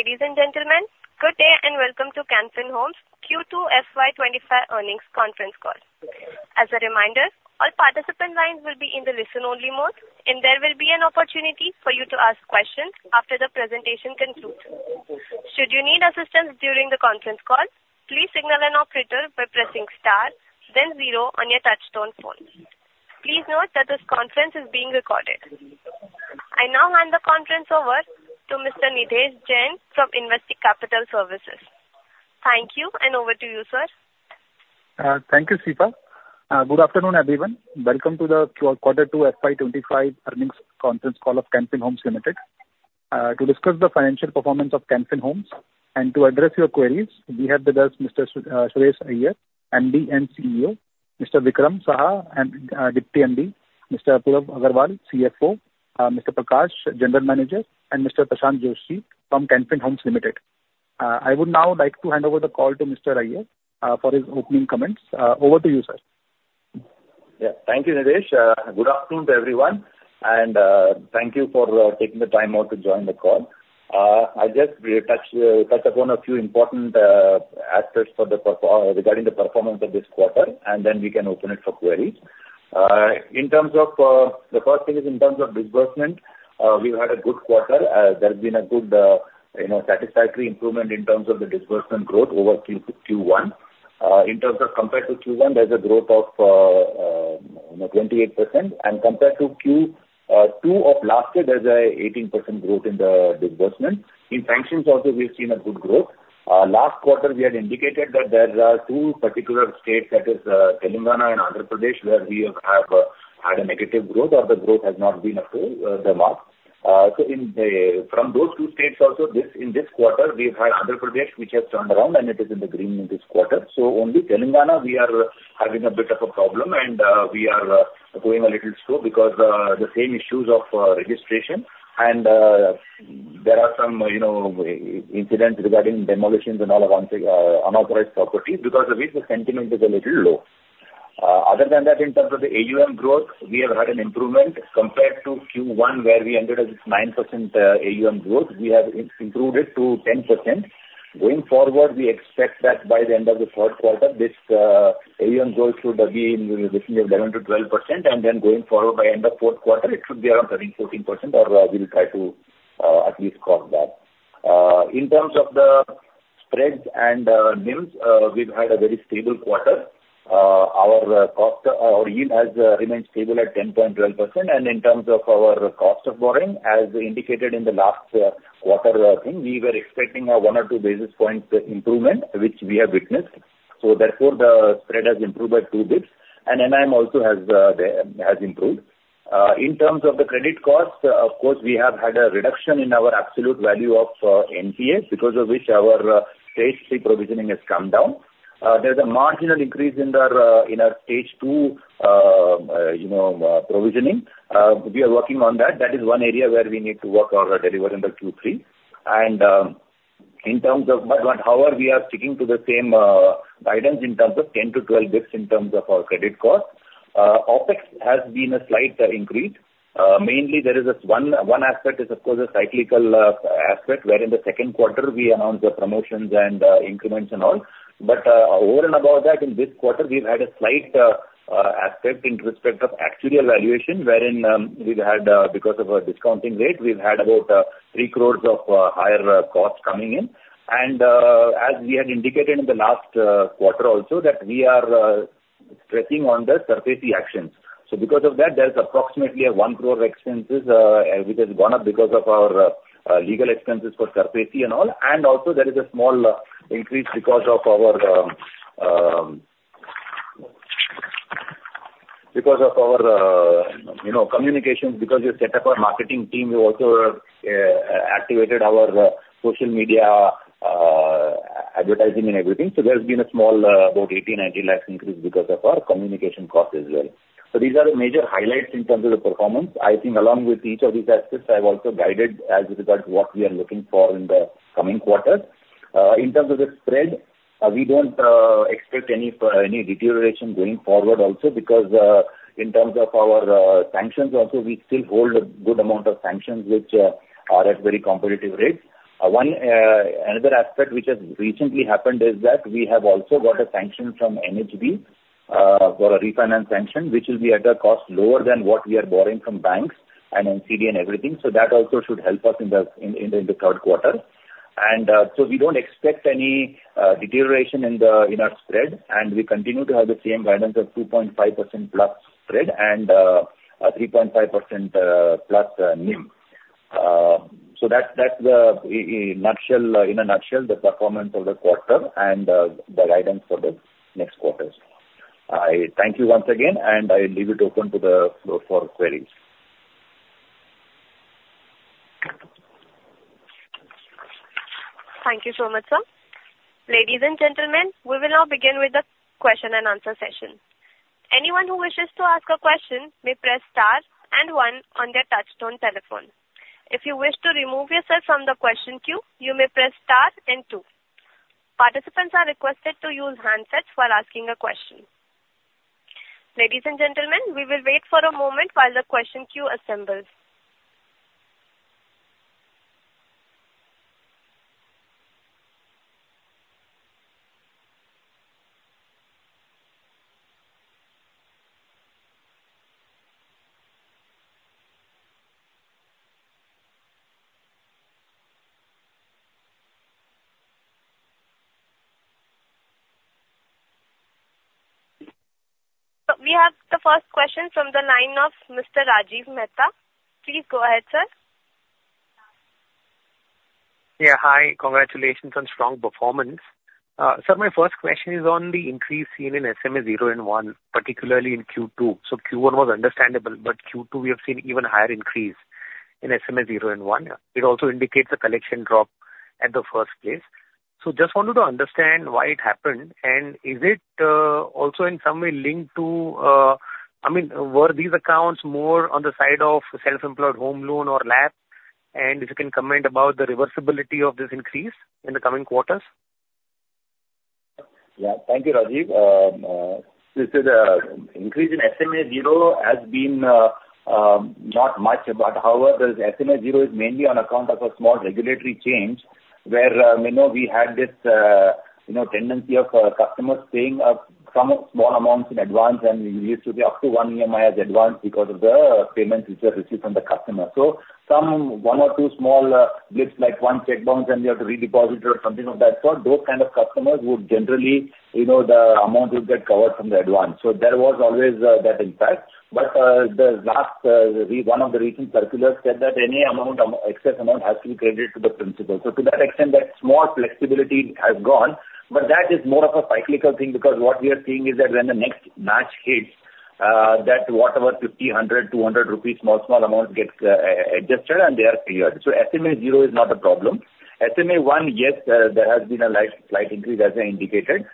Ladies and gentlemen, good day and welcome to Can Fin Homes Q2 FY 2025 earnings conference call. As a reminder, all participant lines will be in the listen-only mode, and there will be an opportunity for you to ask questions after the presentation concludes. Should you need assistance during the conference call, please signal an operator by pressing Star, then zero on your touchtone phone. Please note that this conference is being recorded. I now hand the conference over to Mr. Nidhesh Jain from Investec Capital Services. Thank you, and over to you, sir. Thank you, Sifa. Good afternoon, everyone. Welcome to the quarter two FY twenty-five earnings conference call of Can Fin Homes Limited. To discuss the financial performance of Can Fin Homes and to address your queries, we have with us Mr. Suresh Iyer, MD and CEO, Mr. Vikram Saha, and Deputy MD, Mr. Apurav Agarwal, CFO, Mr. Prakash, General Manager, and Mr. Prashant Joshi from Can Fin Homes Limited. I would now like to hand over the call to Mr. Iyer for his opening comments. Over to you, sir. Yeah. Thank you, Nitesh. Good afternoon to everyone, and thank you for taking the time out to join the call. I'll just touch upon a few important aspects regarding the performance of this quarter, and then we can open it for queries. In terms of the first thing is in terms of disbursement, we've had a good quarter. There's been a good, you know, satisfactory improvement in terms of the disbursement growth over Q1. In terms of compared to Q1, there's a growth of, you know, 28%, and compared to Q2 of last year, there's an 18% growth in the disbursement. In sanctions also, we've seen a good growth. Last quarter, we had indicated that there are two particular states, that is, Telangana and Andhra Pradesh, where we have had a negative growth or the growth has not been up to the mark. So, from those two states also, in this quarter, we've had Andhra Pradesh, which has turned around, and it is in the green in this quarter. So only Telangana, we are having a bit of a problem, and we are going a little slow because the same issues of registration and there are some, you know, incidents regarding demolitions and all of unauthorized properties, because of which the sentiment is a little low. Other than that, in terms of the AUM growth, we have had an improvement compared to Q1, where we ended at 9% AUM growth. We have improved it to 10%. Going forward, we expect that by the end of the third quarter, this AUM growth should be in the region of 11-12%, and then going forward by end of fourth quarter, it should be around 13-14%, or we'll try to at least cross that. In terms of the spreads and NIMs, we've had a very stable quarter. Our cost, our yield has remained stable at 10.12%, and in terms of our cost of borrowing, as indicated in the last quarter, I think we were expecting a one or two basis points improvement, which we have witnessed. Therefore, the spread has improved by two basis points, and NIM also has improved. In terms of the credit cost, of course, we have had a reduction in our absolute value of NPAs, because of which our Stage 3 provisioning has come down. There's a marginal increase in our Stage 2, you know, provisioning. We are working on that. That is one area where we need to work on our delivery in the Q3. And in terms of... But however, we are sticking to the same guidance in terms of ten to twelve basis points, in terms of our credit cost. OpEx has been a slight increase. Mainly there is this one aspect, which is, of course, a cyclical aspect, wherein in the second quarter we announced the promotions and increments and all, but over and above that, in this quarter, we've had a slight aspect in respect of actuarial valuation, wherein we've had, because of a discounting rate, we've had about three crores of higher costs coming in, and as we had indicated in the last quarter also, that we are stressing on the SARFAESI actions, so because of that, there's approximately a one crore expenses which has gone up because of our legal expenses for SARFAESI and all. And also there is a small increase because of our you know communications because we set up our marketing team. We also activated our social media advertising and everything. So there's been a small about 80-90 lakhs increase because of our communication cost as well. So these are the major highlights in terms of the performance. I think along with each of these aspects, I've also guided as regards to what we are looking for in the coming quarters. In terms of the spread, we don't expect any deterioration going forward also, because in terms of our sanctions also, we still hold a good amount of sanctions, which are at very competitive rates. One, another aspect which has recently happened is that we have also got a sanction from NHB for a refinance sanction, which will be at a cost lower than what we are borrowing from banks and NCD and everything. So that also should help us in the third quarter. And, so we don't expect any deterioration in our spread, and we continue to have the same guidance of 2.5% plus spread and 3.5% plus NIM. So that's the nutshell, in a nutshell, the performance of the quarter and the guidance for the next quarters. I thank you once again, and I leave it open to the floor for queries. Thank you so much, sir. Ladies and gentlemen, we will now begin with the question and answer session. Anyone who wishes to ask a question may press Star and One on their touchtone telephone. If you wish to remove yourself from the question queue, you may press Star and Two. Participants are requested to use handsets while asking a question. Ladies and gentlemen, we will wait for a moment while the question queue assembles. So we have the first question from the line of Mr. Rajiv Mehta. Please go ahead, sir. Yeah. Hi, congratulations on strong performance. So my first question is on the increase seen in SMA zero and one, particularly in Q2. So Q1 was understandable, but Q2, we have seen even higher increase in SMA zero and one. It also indicates a collection drop at the first place. So just wanted to understand why it happened, and is it also in some way linked to, I mean, were these accounts more on the side of self-employed home loan or LAP? And if you can comment about the reversibility of this increase in the coming quarters. Yeah. Thank you, Rajiv. This increase in SMA zero has been not much, but however, the SMA zero is mainly on account of a small regulatory change, where you know, we had this you know, tendency of customers paying some small amounts in advance, and it used to be up to one EMI as advance because of the payments which were received from the customer. So some one or two small bits, like one cheque bounce and we have to redeposit it or something of that sort. Those kind of customers would generally, you know, the amount will get covered from the advance. So there was always that impact. But one of the recent circulars said that any excess amount has to be credited to the principal. So to that extent, that small flexibility has gone, but that is more of a cyclical thing, because what we are seeing is that when the next batch hits, that whatever 50, 100, 200 rupees, small, small amount gets adjusted and they are cleared. So SMA zero is not a problem. SMA one, yes, there has been a slight, slight increase, as I indicated.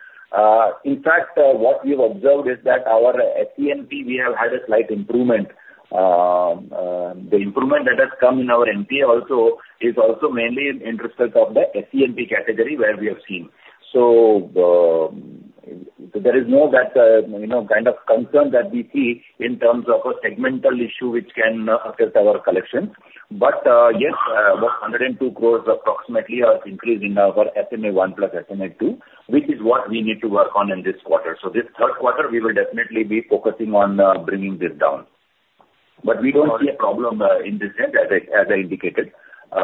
In fact, what we have observed is that our SENP, we have had a slight improvement. The improvement that has come in our NPA also is mainly in interest of the SENP category, where we have seen. So there is no that, you know, kind of concern that we see in terms of a segmental issue which can affect our collections. But yes, about 102 crores approximately are increase in our SMA one plus SMA two, which is what we need to work on in this quarter. So this third quarter, we will definitely be focusing on bringing this down. But we don't see a problem in this sense, as I indicated,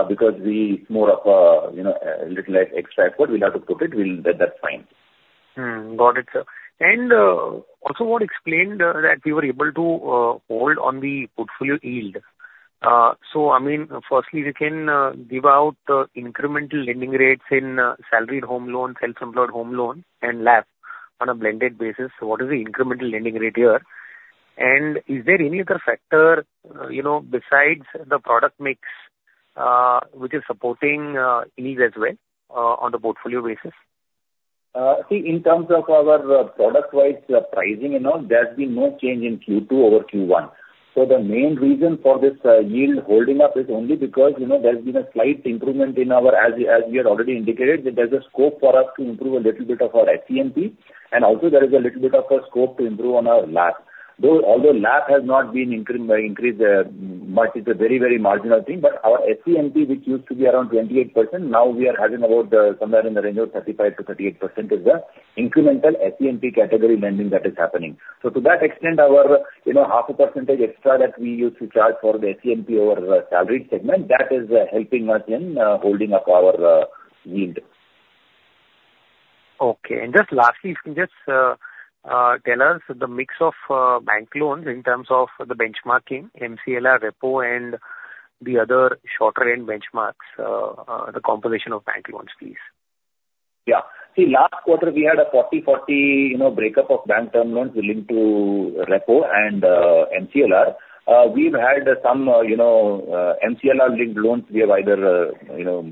because we more of a, you know, a little like extra effort we'll have to put it. That's fine. Got it, sir. And, also, what explained that we were able to hold on the portfolio yield. So I mean, firstly, we can give out the incremental lending rates in salaried home loans, self-employed home loan and LAP on a blended basis. So what is the incremental lending rate here? And is there any other factor, you know, besides the product mix which is supporting yield as well on the portfolio basis? See, in terms of our product-wise pricing and all, there's been no change in Q2 over Q1. So the main reason for this yield holding up is only because, you know, there's been a slight improvement in our, as we had already indicated, that there's a scope for us to improve a little bit of our SENP. And also there is a little bit of a scope to improve on our LAP. Though, although LAP has not been increased much, it's a very, very marginal thing. But our SENP, which used to be around 28%, now we are having about somewhere in the range of 35%-38% is the incremental SENP category lending that is happening. To that extent, our, you know, 0.5% extra that we used to charge for the SENP over salaried segment, that is helping us in holding up our yield. Okay. And just lastly, if you can just tell us the mix of bank loans in terms of the benchmarking, MCLR, repo and the other shorter end benchmarks, the composition of bank loans, please. Yeah. See, last quarter, we had a 40/40, you know, breakup of bank term loans linked to repo and MCLR. We've had some, you know, MCLR-linked loans. We have either, you know,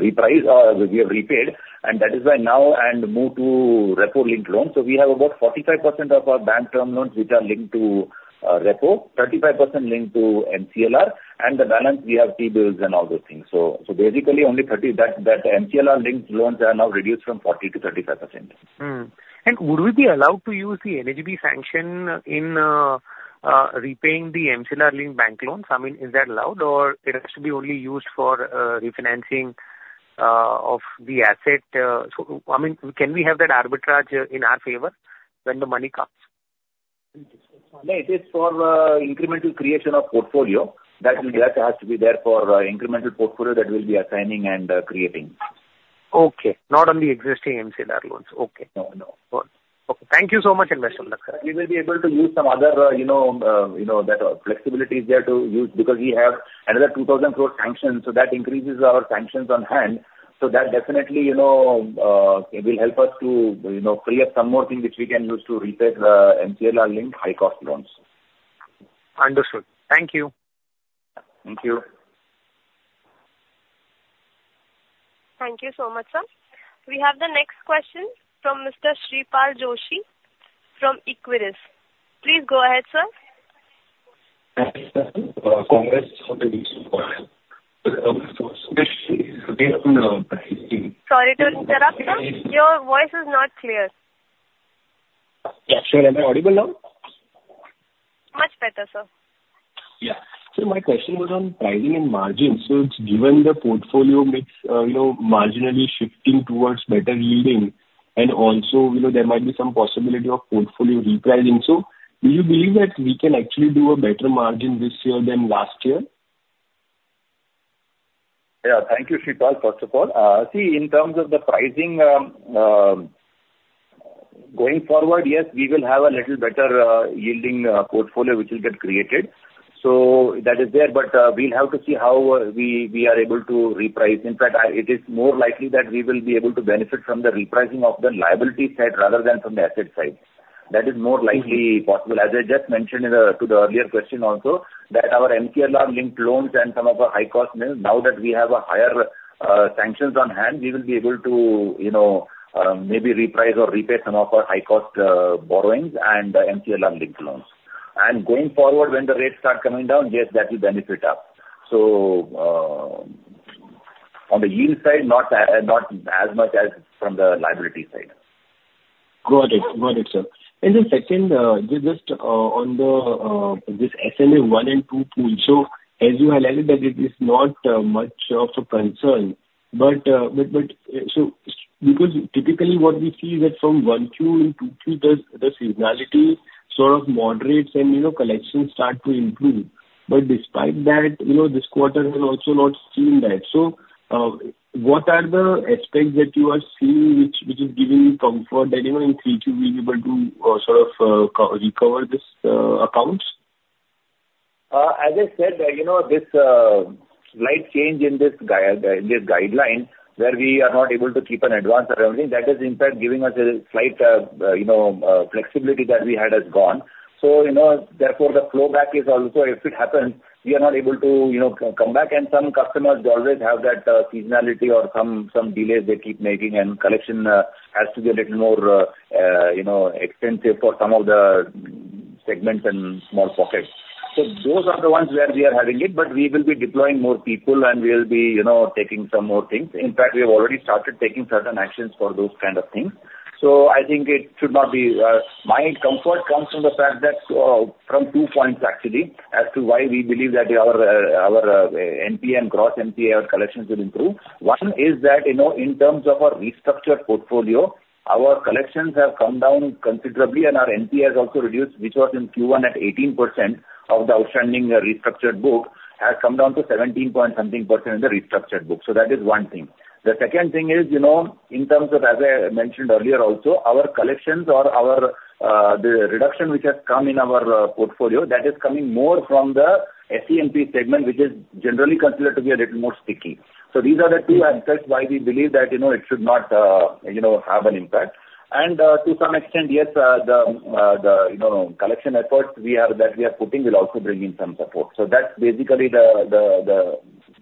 repriced or we have repaid, and that is why now and move to repo-linked loans. So we have about 45% of our bank term loans, which are linked to repo, 35% linked to MCLR, and the balance we have T-bills and all those things. So basically only thirty. That MCLR-linked loans are now reduced from 40% to 35%. And would we be allowed to use the NHB sanction in repaying the MCLR-linked bank loans? I mean, is that allowed, or it has to be only used for refinancing of the asset? So, I mean, can we have that arbitrage in our favor when the money comes? No, it is for incremental creation of portfolio. That will just have to be there for incremental portfolio that we'll be assigning and creating. Okay. Not only existing MCLR loans. Okay. No, no. Okay. Thank you so much. We will be able to use some other, you know, that flexibility is there to use, because we have another 2,000 crores sanction, so that definitely, you know, will help us to, you know, clear some more things which we can use to repay the MCLR-linked high-cost loans. Understood. Thank you. Thank you. Thank you so much, sir. We have the next question from Mr. Shreepal Doshi from Equirus. Please go ahead, sir. Congress Sorry to interrupt, sir. Your voice is not clear. Yeah, sure. Am I audible now? Much better, sir. Yeah. So my question was on pricing and margins. So given the portfolio mix, you know, marginally shifting towards better yielding, and also, you know, there might be some possibility of portfolio repricing. So do you believe that we can actually do a better margin this year than last year? Yeah. Thank you, Shreepal. First of all, see, in terms of the pricing, going forward, yes, we will have a little better yielding portfolio which will get created. So that is there, but we'll have to see how we are able to reprice. In fact, it is more likely that we will be able to benefit from the repricing of the liability side rather than from the asset side. That is more likely possible. As I just mentioned in the, to the earlier question also, that our MCLR linked loans and some of our high cost loans, now that we have a higher sanctions on hand, we will be able to, you know, maybe reprice or repay some of our high cost borrowings and MCLR linked loans. Going forward, when the rates start coming down, yes, that will benefit us. On the yield side, not as much as from the liability side. Got it. Got it, sir. And then second, just on this SMA one and two pool. So as you highlighted that it is not much of a concern, but, so because typically what we see is that from one Q to two Q, the seasonality sort of moderates and, you know, collections start to improve. But despite that, you know, this quarter we're also not seeing that. So, what are the aspects that you are seeing which is giving you comfort that even in Q2 we'll be able to sort of co-recover this accounts? As I said, you know, this slight change in this guideline, where we are not able to keep an advance or anything, that is in fact giving us a slight you know flexibility that we had is gone. So, you know, therefore, the flow back is also if it happens, we are not able to, you know, come back and some customers always have that seasonality or some delays they keep making, and collection has to be a little more you know extensive for some of the segments and small pockets. So those are the ones where we are having it, but we will be deploying more people and we will be, you know, taking some more things. In fact, we have already started taking certain actions for those kind of things. So, I think it should not be. My comfort comes from the fact that, from two points actually, as to why we believe that our NPA and gross NPA, our collections will improve. One is that, you know, in terms of our restructured portfolio, our collections have come down considerably and our NPA has also reduced, which was in Q1 at 18% of the outstanding restructured book, has come down to 17-point-something% in the restructured book. So, that is one thing. The second thing is, you know, in terms of, as I mentioned earlier also, our collections or the reduction which has come in our portfolio, that is coming more from the SENP segment, which is generally considered to be a little more sticky. So these are the two aspects why we believe that, you know, it should not, you know, have an impact. And, to some extent, yes, the, you know, collection efforts we are, that we are putting will also bring in some support. So that's basically the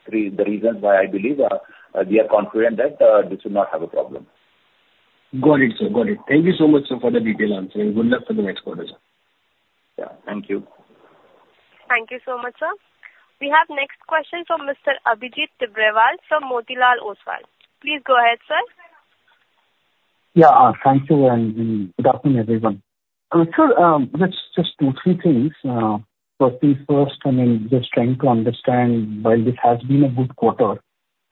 three reasons why I believe, we are confident that, this will not have a problem. Got it, sir. Got it. Thank you so much, sir, for the detailed answer, and good luck for the next quarter, sir. Yeah. Thank you. Thank you so much, sir. We have next question from Mr. Abhijit Tibrewal from Motilal Oswal. Please go ahead, sir. Yeah, thank you, and good afternoon, everyone. Sir, just two, three things. Firstly, I mean, just trying to understand, while this has been a good quarter,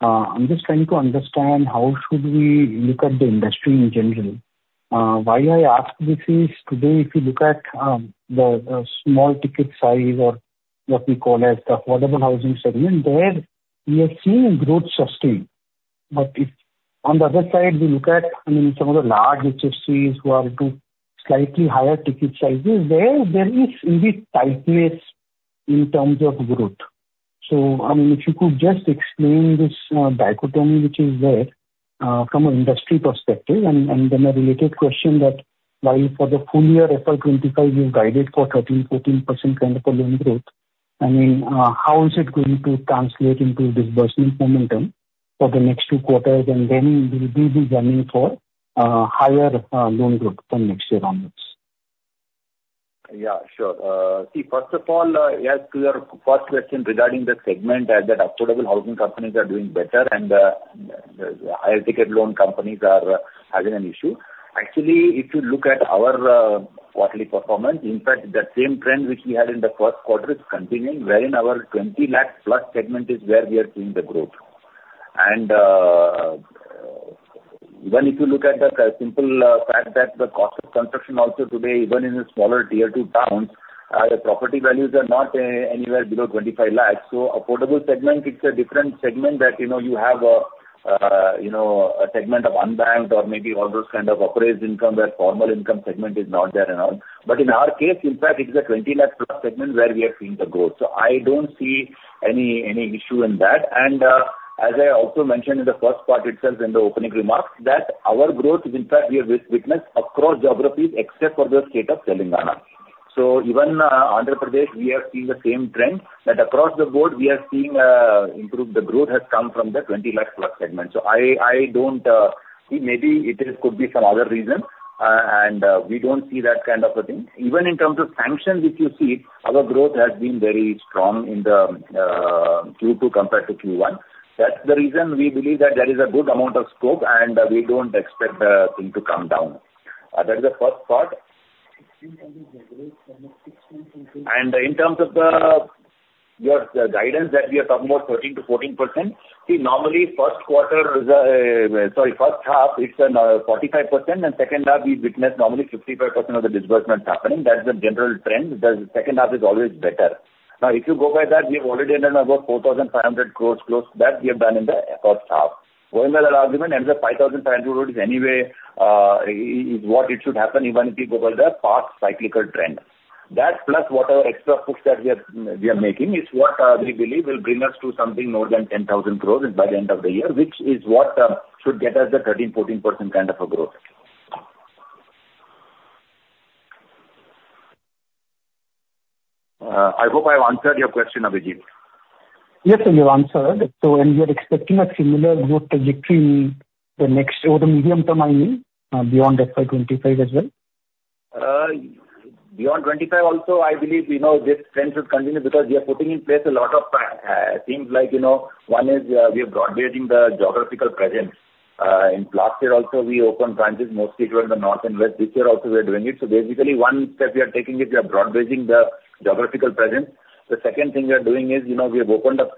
I'm just trying to understand how should we look at the industry in general? Why I ask this is, today if you look at the small ticket size or what we call as the affordable housing segment, there we are seeing growth sustain. But it's. On the other side, we look at, I mean, some of the large HFCs who are into slightly higher ticket sizes, where there is indeed tightness in terms of growth. So, I mean, if you could just explain this dichotomy, which is there, from an industry perspective. Then a related question that, while for the full year, FY 2025, you guided for 13%-14% kind of a loan growth, I mean, how is it going to translate into disbursement momentum for the next two quarters? And then will we be gunning for higher loan growth from next year onwards? Yeah, sure. See, first of all, as to your first question regarding the segment that affordable housing companies are doing better and the higher ticket loan companies are having an issue. Actually, if you look at our quarterly performance, in fact, that same trend which we had in the first quarter is continuing, wherein our twenty lakh plus segment is where we are seeing the growth. And even if you look at the simple fact that the cost of construction also today, even in the smaller tier two towns, the property values are not anywhere below twenty-five lakhs. So affordable segment, it's a different segment that, you know, you have a, you know, a segment of unbanked or maybe all those kind of appraised income, where formal income segment is not there at all. But in our case, in fact, it's a twenty lakh plus segment where we are seeing the growth. So I don't see any, any issue in that. And, as I also mentioned in the first part itself, in the opening remarks, that our growth is in fact, we have witnessed across geographies except for the state of Telangana. So even, Andhra Pradesh, we are seeing the same trend, that across the board we are seeing, improve. The growth has come from the twenty lakh plus segment. So I don't see, maybe it is could be some other reason, and, we don't see that kind of a thing. Even in terms of sanctions, if you see, our growth has been very strong in the Q2 compared to Q1. That's the reason we believe that there is a good amount of scope, and we don't expect the thing to come down. That is the first part. And in terms of the, your, the guidance that we are talking about, 13%-14%, see, normally, first quarter, sorry, first half, it's, 45%, and second half, we witness normally 55% of the disbursement happening. That's the general trend, the second half is always better. Now, if you go by that, we have already done about 4,500 crores close, that we have done in the first half. Going by that argument, another 5,500 crores is anyway, what it should happen even if you go by the past cyclical trend. That, plus whatever extra books that we are making, is what we believe will bring us to something more than 10,000 crores by the end of the year, which is what should get us the 13%-14% kind of a growth. I hope I have answered your question, Abhijit. Yes, sir, you have answered. So when you are expecting a similar growth trajectory in the next, or the medium term, I mean, beyond FY 2025 as well? Beyond twenty-five also, I believe, you know, this trend should continue because we are putting in place a lot of things like, you know, one is we are broad-basing the geographical presence. In last year also, we opened branches, mostly toward the north and west. This year also, we are doing it. So basically, one step we are taking is we are broad-basing the geographical presence. The second thing we are doing is, you know, we have opened up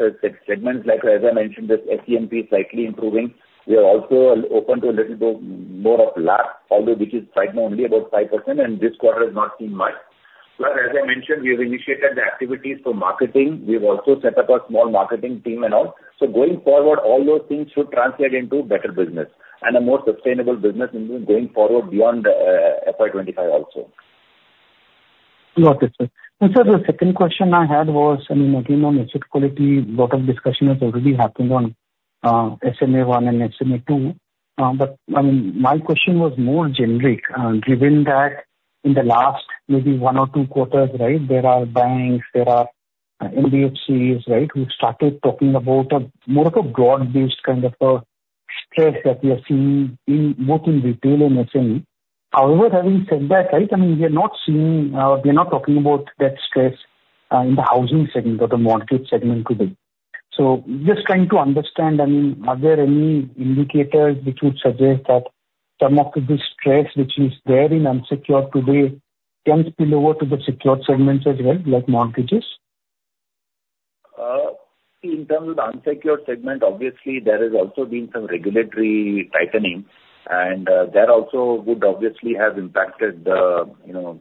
segments like, as I mentioned, this SENP is slightly improving. We are also open to a little bit more of LAP, although which is right now only about 5%, and this quarter has not been much. But as I mentioned, we have initiated the activities for marketing. We have also set up a small marketing team and all. So going forward, all those things should translate into better business and a more sustainable business going forward beyond FY twenty-five also. Got it, sir. And sir, the second question I had was, I mean, again, on asset quality, lot of discussion has already happened on, SMA one and SMA two. But, I mean, my question was more generic, given that in the last maybe one or two quarters, right, there are banks, there are NBFCs, right? We've started talking about a more of a broad-based kind of a stress that we are seeing in, both in retail and SME. However, having said that, right, I mean, we are not seeing, we are not talking about that stress, in the housing segment or the mortgage segment today. So just trying to understand, I mean, are there any indicators which would suggest that some of this stress, which is there in unsecured today, can spill over to the secured segments as well, like mortgages? In terms of the unsecured segment, obviously, there has also been some regulatory tightening, and that also would obviously have impacted the, you know,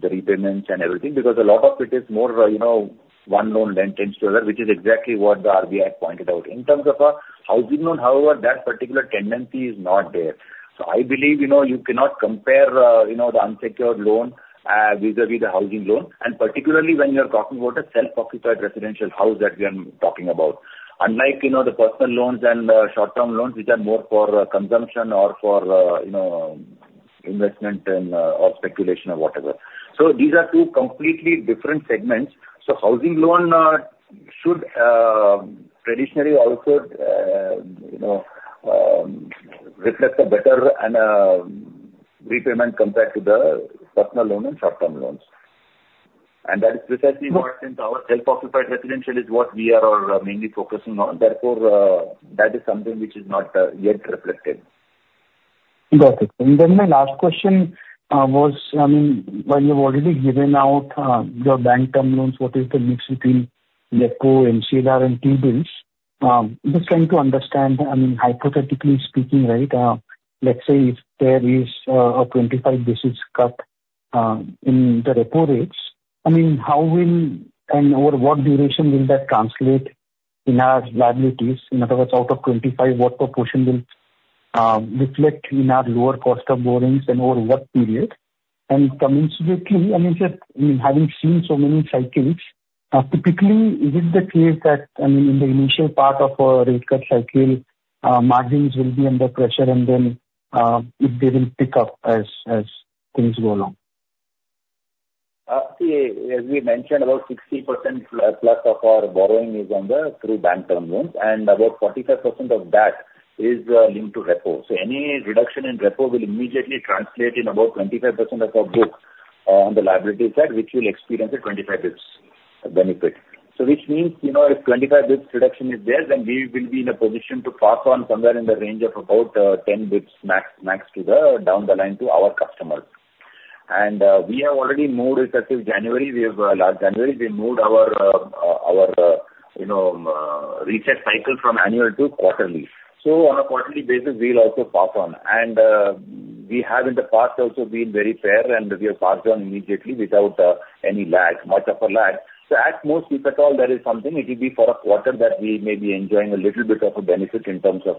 the repayments and everything, because a lot of it is more, you know, one loan leads to another, which is exactly what the RBI pointed out. In terms of a housing loan, however, that particular tendency is not there. So I believe, you know, you cannot compare, you know, the unsecured loan, vis-a-vis the housing loan, and particularly when you are talking about a self-occupied residential house that we are talking about. Unlike, you know, the personal loans and, short-term loans, which are more for, consumption or for, you know, investment and, or speculation or whatever. So these are two completely different segments. So housing loan should traditionally also, you know, reflect a better and repayment compared to the personal loan and short-term loans, and that is precisely what, since our self-occupied residential is what we are mainly focusing on. Therefore, that is something which is not yet reflected. Got it, and then my last question was, I mean, while you've already given out your bank term loans, what is the mix between repo, MCLR, and T-bills? Just trying to understand, I mean, hypothetically speaking, right, let's say if there is a 25 basis points cut in the repo rates, I mean, how will and over what duration will that translate in our liabilities? In other words, out of 25, what proportion will reflect in our lower cost of borrowings and over what period? And commensurately, I mean, just, I mean, having seen so many cycles, typically, is it the case that, I mean, in the initial part of a rate cut cycle, margins will be under pressure and then, it, they will pick up as things go along? See, as we mentioned, about 60% plus of our borrowing is on the, through bank term loans, and about 45% of that is linked to repo. So any reduction in repo will immediately translate in about 25% of our book on the liability side, which will experience a 25 basis points benefit. So which means, you know, if 25 basis points reduction is there, then we will be in a position to pass on somewhere in the range of about 10 basis points max to the down the line to our customers. And we have already moved effective January, last January, we moved our you know reset cycle from annual to quarterly. So on a quarterly basis, we'll also pass on. We have in the past also been very fair, and we have passed on immediately without much of a lag. So at most, if at all, there is something, it will be for a quarter that we may be enjoying a little bit of a benefit in terms of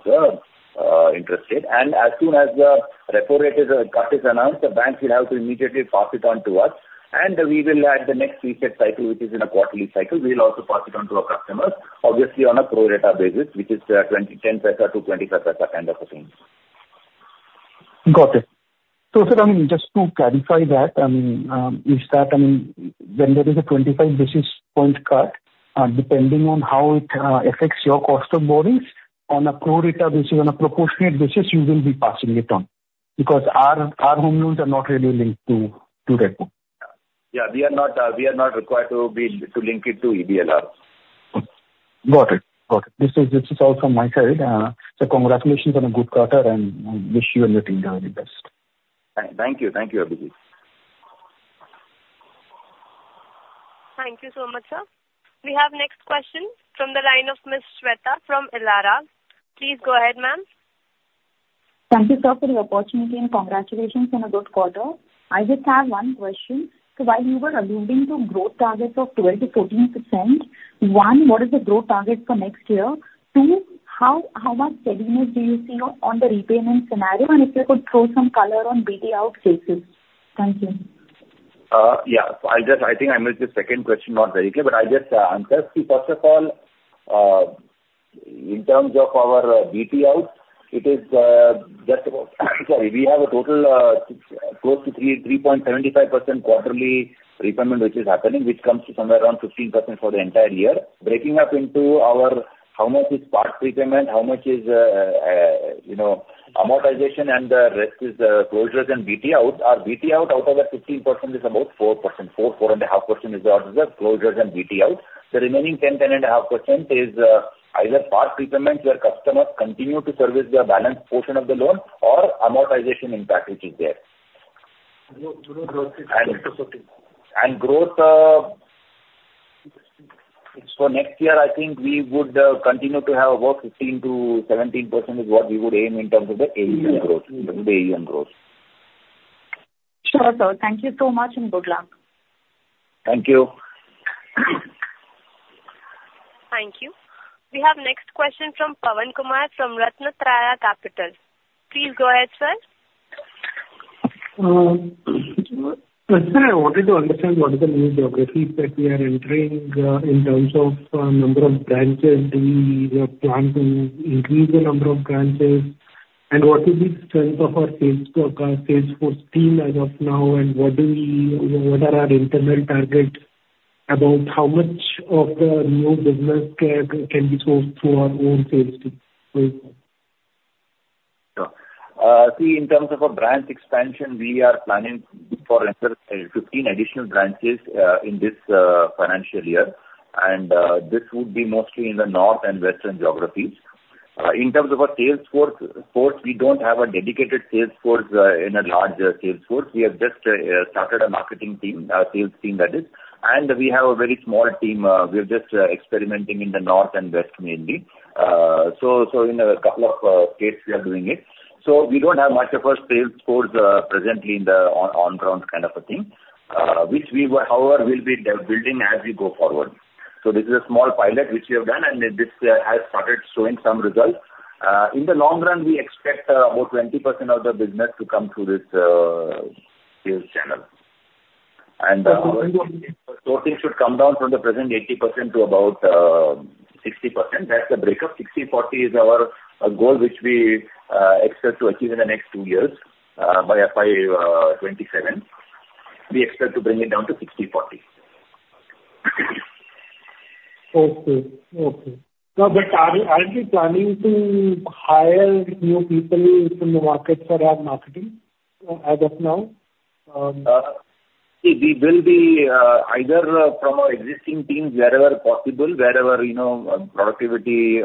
interest rate. As soon as the repo rate cut is announced, the banks will have to immediately pass it on to us, and we will, at the next reset cycle, which is in a quarterly cycle, also pass it on to our customers, obviously on a pro rata basis, which is ten paisa to twenty-five paisa kind of a thing. Got it. So, sir, I mean, just to clarify that, is that, I mean, when there is a twenty-five basis point cut, depending on how it affects your cost of borrowings, on a pro rata basis, on a proportionate basis, you will be passing it on? Because our home loans are not really linked to repo. Yeah, we are not, we are not required to be, to link it to EBR. Got it. Got it. This is, this is all from my side. So congratulations on a good quarter, and, and wish you and your team the very best. Thank you. Thank you, Abhijit. Thank you so much, sir. We have next question from the line of Ms. Shweta from Elara. Please go ahead, ma'am. Thank you, sir, for the opportunity, and congratulations on a good quarter. I just have one question: so while you were alluding to growth targets of 12-14%, one, what is the growth target for next year? Two, how much steadiness do you see on the repayment scenario, and if you could throw some color on BT out cases? Thank you. Yeah. I just, I think I missed the second question, not very clear, but I'll just answer. See, first of all, in terms of our BT out, it is just sorry. We have a total close to 3.75% quarterly repayment, which is happening, which comes to somewhere around 15% for the entire year. Breaking up into our how much is part repayment, how much is, you know, amortization, and the rest is closures and BT out. Our BT out, out of the 15% is about 4%. 4-4.5% is out of the closures and BT out. The remaining 10-10.5% is either part prepayment, where customers continue to service their balance portion of the loan, or amortization impact, which is there. Growth is 6-14. And growth for next year, I think we would continue to have about 15%-17% is what we would aim in terms of the AUM growth. Sure, sir. Thank you so much, and good luck. Thank you. Thank you. We have next question from Pawan Kumar, from Ratnatraya Capital. Please go ahead, sir. Sir, I wanted to understand what are the new geographies that we are entering, in terms of number of branches. Do you have plans to increase the number of branches? And what is the strength of our sales force team as of now, and what are our internal targets about how much of the new business can be sourced through our own sales team? Please. Sure. See, in terms of our branch expansion, we are planning for another 15 additional branches in this financial year, and this would be mostly in the north and western geographies. In terms of our sales force, we don't have a dedicated sales force in a large sales force. We have just started a marketing team, sales team that is, and we have a very small team. We're just experimenting in the north and west mainly. So in a couple of states, we are doing it. So we don't have much of a sales force presently in the on ground kind of a thing, which we will, however, will be building as we go forward. So this is a small pilot which we have done, and this has started showing some results. In the long run, we expect about 20% of the business to come through this sales channel. And so things should come down from the present 80% to about 60%. That's the breakup. 60/40 is our goal, which we expect to achieve in the next two years by FY 2027. We expect to bring it down to 60/40. Okay. Okay. No, but are you, are you planning to hire new people in the market for our marketing as of now? We will be either from our existing teams, wherever possible, wherever you know productivity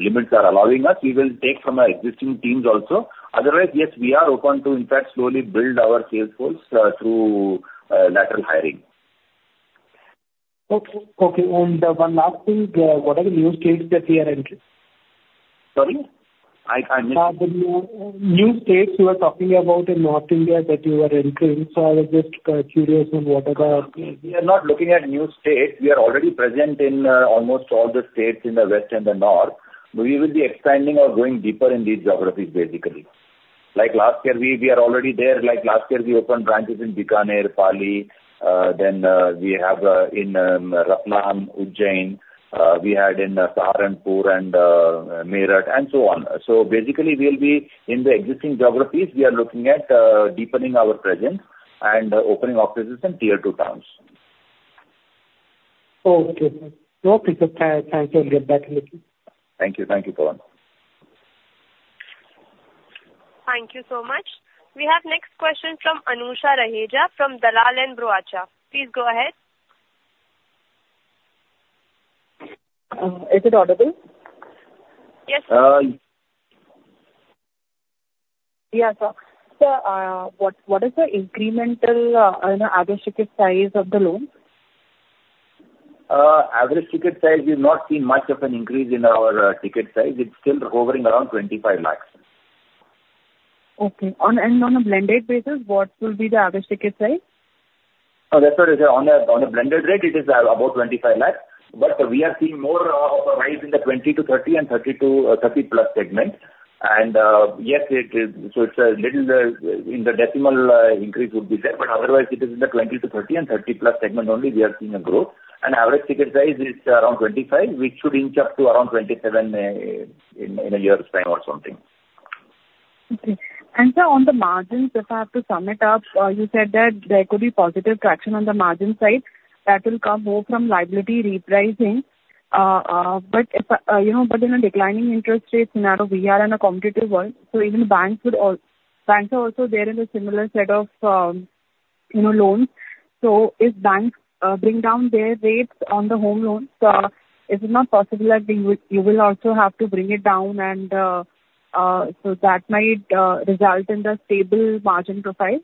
limits are allowing us, we will take from our existing teams also. Otherwise, yes, we are open to, in fact, slowly build our sales force through lateral hiring. Okay. Okay, and, one last thing, what are the new states that we are entering? Sorry? I can't hear. The new states you are talking about in North India that you are entering. So I was just curious on what are the- We are not looking at new states. We are already present in almost all the states in the West and the North. We will be expanding or going deeper in these geographies, basically. Like last year, we are already there. Like last year, we opened branches in Bikaner, Pali, then we have in Ratlam, Ujjain, we had in Saharanpur and Meerut, and so on. So basically, we'll be in the existing geographies. We are looking at deepening our presence and opening offices in tier two towns. Okay. No, okay, sir. Thank you. I'll get back with you. Thank you. Thank you, Pawan. Thank you so much. We have next question from Anusha Raheja, from Dalal & Broacha. Please go ahead. Is it audible? Yes. Yeah. So, what is the incremental, you know, average ticket size of the loan? Average ticket size, we've not seen much of an increase in our ticket size. It's still hovering around 25 lakhs. Okay. On a blended basis, what will be the average ticket size? That's what, on a blended rate, it is about 25 lakhs. But we are seeing more of a rise in the 20-30 and 30+ segment. Yes, it is, so it's a little in the decimal increase would be there, but otherwise it is in the 20-30 and 30+ segment only we are seeing a growth. Average ticket size is around 25, which should inch up to around 27 in a year's time or something. Okay. And, sir, on the margins, if I have to sum it up, you said that there could be positive traction on the margin side that will come more from liability repricing. But you know, in a declining interest rate scenario, we are in a competitive world, so even banks are also there in a similar set of, you know, loans. So if banks bring down their rates on the home loans, is it not possible that you will also have to bring it down and so that might result in the stable margin profile?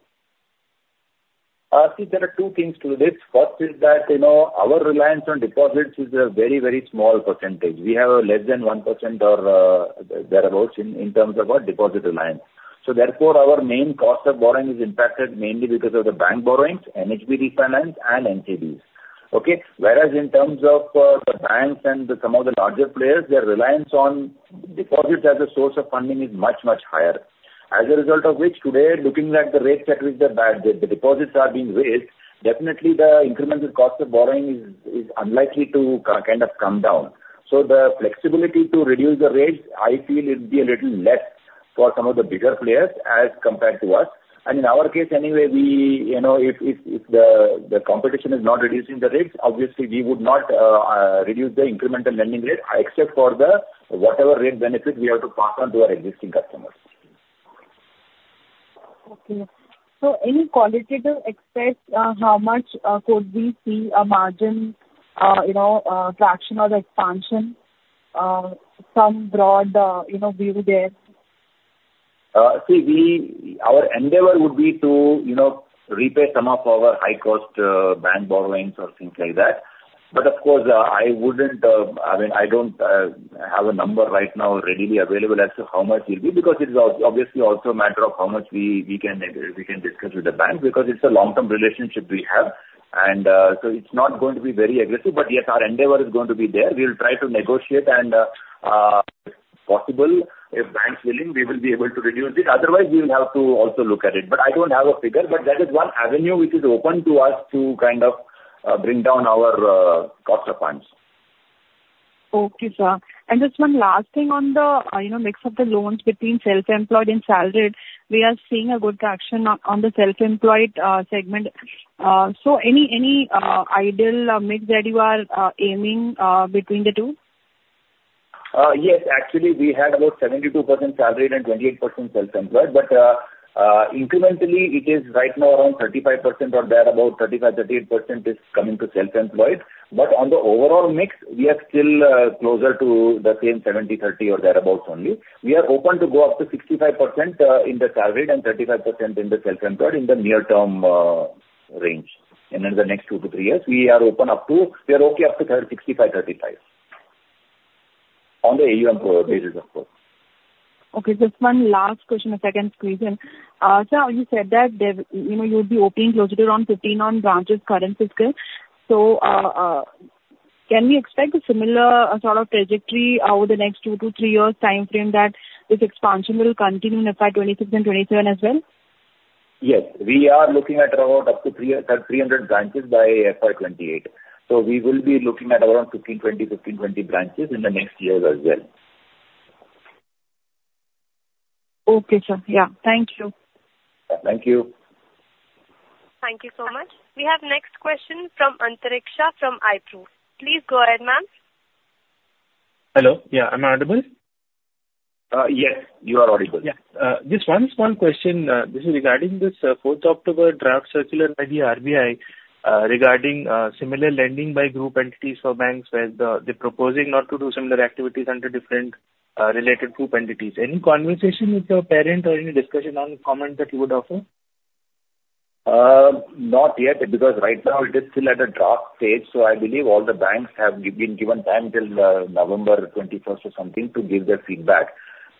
See, there are two things to this. First is that, you know, our reliance on deposits is a very, very small percentage. We have a less than 1% or thereabouts in terms of our deposit reliance. So therefore, our main cost of borrowing is impacted mainly because of the bank borrowings, NHB refinance and NCDs. Okay? Whereas in terms of the banks and some of the larger players, their reliance on deposits as a source of funding is much, much higher. As a result of which, today, looking at the rates at which the deposits are being raised, definitely the incremental cost of borrowing is unlikely to come down. So the flexibility to reduce the rates, I feel it will be a little less for some of the bigger players as compared to us. And in our case anyway, we, you know, if the competition is not reducing the rates, obviously we would not reduce the incremental lending rate, except for the whatever rate benefit we have to pass on to our existing customers. Okay. So any qualitative expense, how much could we see a margin, you know, traction or expansion, some broad, you know, view there? See, our endeavor would be to, you know, repay some of our high-cost bank borrowings or things like that, but of course, I wouldn't, I mean, I don't have a number right now readily available as to how much it will be, because it is obviously also a matter of how much we can discuss with the bank, because it's a long-term relationship we have, and so it's not going to be very aggressive, but yes, our endeavor is going to be there. We'll try to negotiate and, if possible, if bank's willing, we will be able to reduce it. Otherwise, we will have to also look at it, but I don't have a figure, but that is one avenue which is open to us to kind of bring down our cost of funds. Okay, sir. And just one last thing on the, you know, mix of the loans between self-employed and salaried. We are seeing a good traction on the self-employed segment. So any ideal mix that you are aiming between the two? Yes. Actually, we had about 72% salaried and 28% self-employed. But incrementally it is right now around 35% or thereabout, 35, 38% is coming to self-employed. But on the overall mix, we are still closer to the same 70-30 or thereabouts only. We are open to go up to 65% in the salaried and 35% in the self-employed in the near-term range. And in the next two to three years, we are open up to. We are okay up to thirty, 65, 35. On the AUM basis, of course. Okay, just one last question. I can squeeze in. Sir, you said that there, you know, you'll be opening closer to around fifteen new branches in current fiscal. So, can we expect a similar sort of trajectory over the next two to three years' time frame, that this expansion will continue in FY twenty-six and twenty-seven as well? Yes. We are looking at around up to 300 branches by FY 2028. So we will be looking at around 15, 20 branches in the next years as well. Okay, sir. Yeah. Thank you. Thank you. Thank you so much. We have next question from Antariksha from ICICI Pru. Please go ahead, ma'am. Hello, yeah. Am I audible? Yes, you are audible. Yeah. Just one small question, this is regarding this fourth October draft circular by the RBI, regarding similar lending by group entities for banks, where they're proposing not to do similar activities under different related group entities. Any conversation with your parent or any discussion on comment that you would offer? Not yet, because right now it is still at a draft stage, so I believe all the banks have been given time till November twenty-first or something to give their feedback.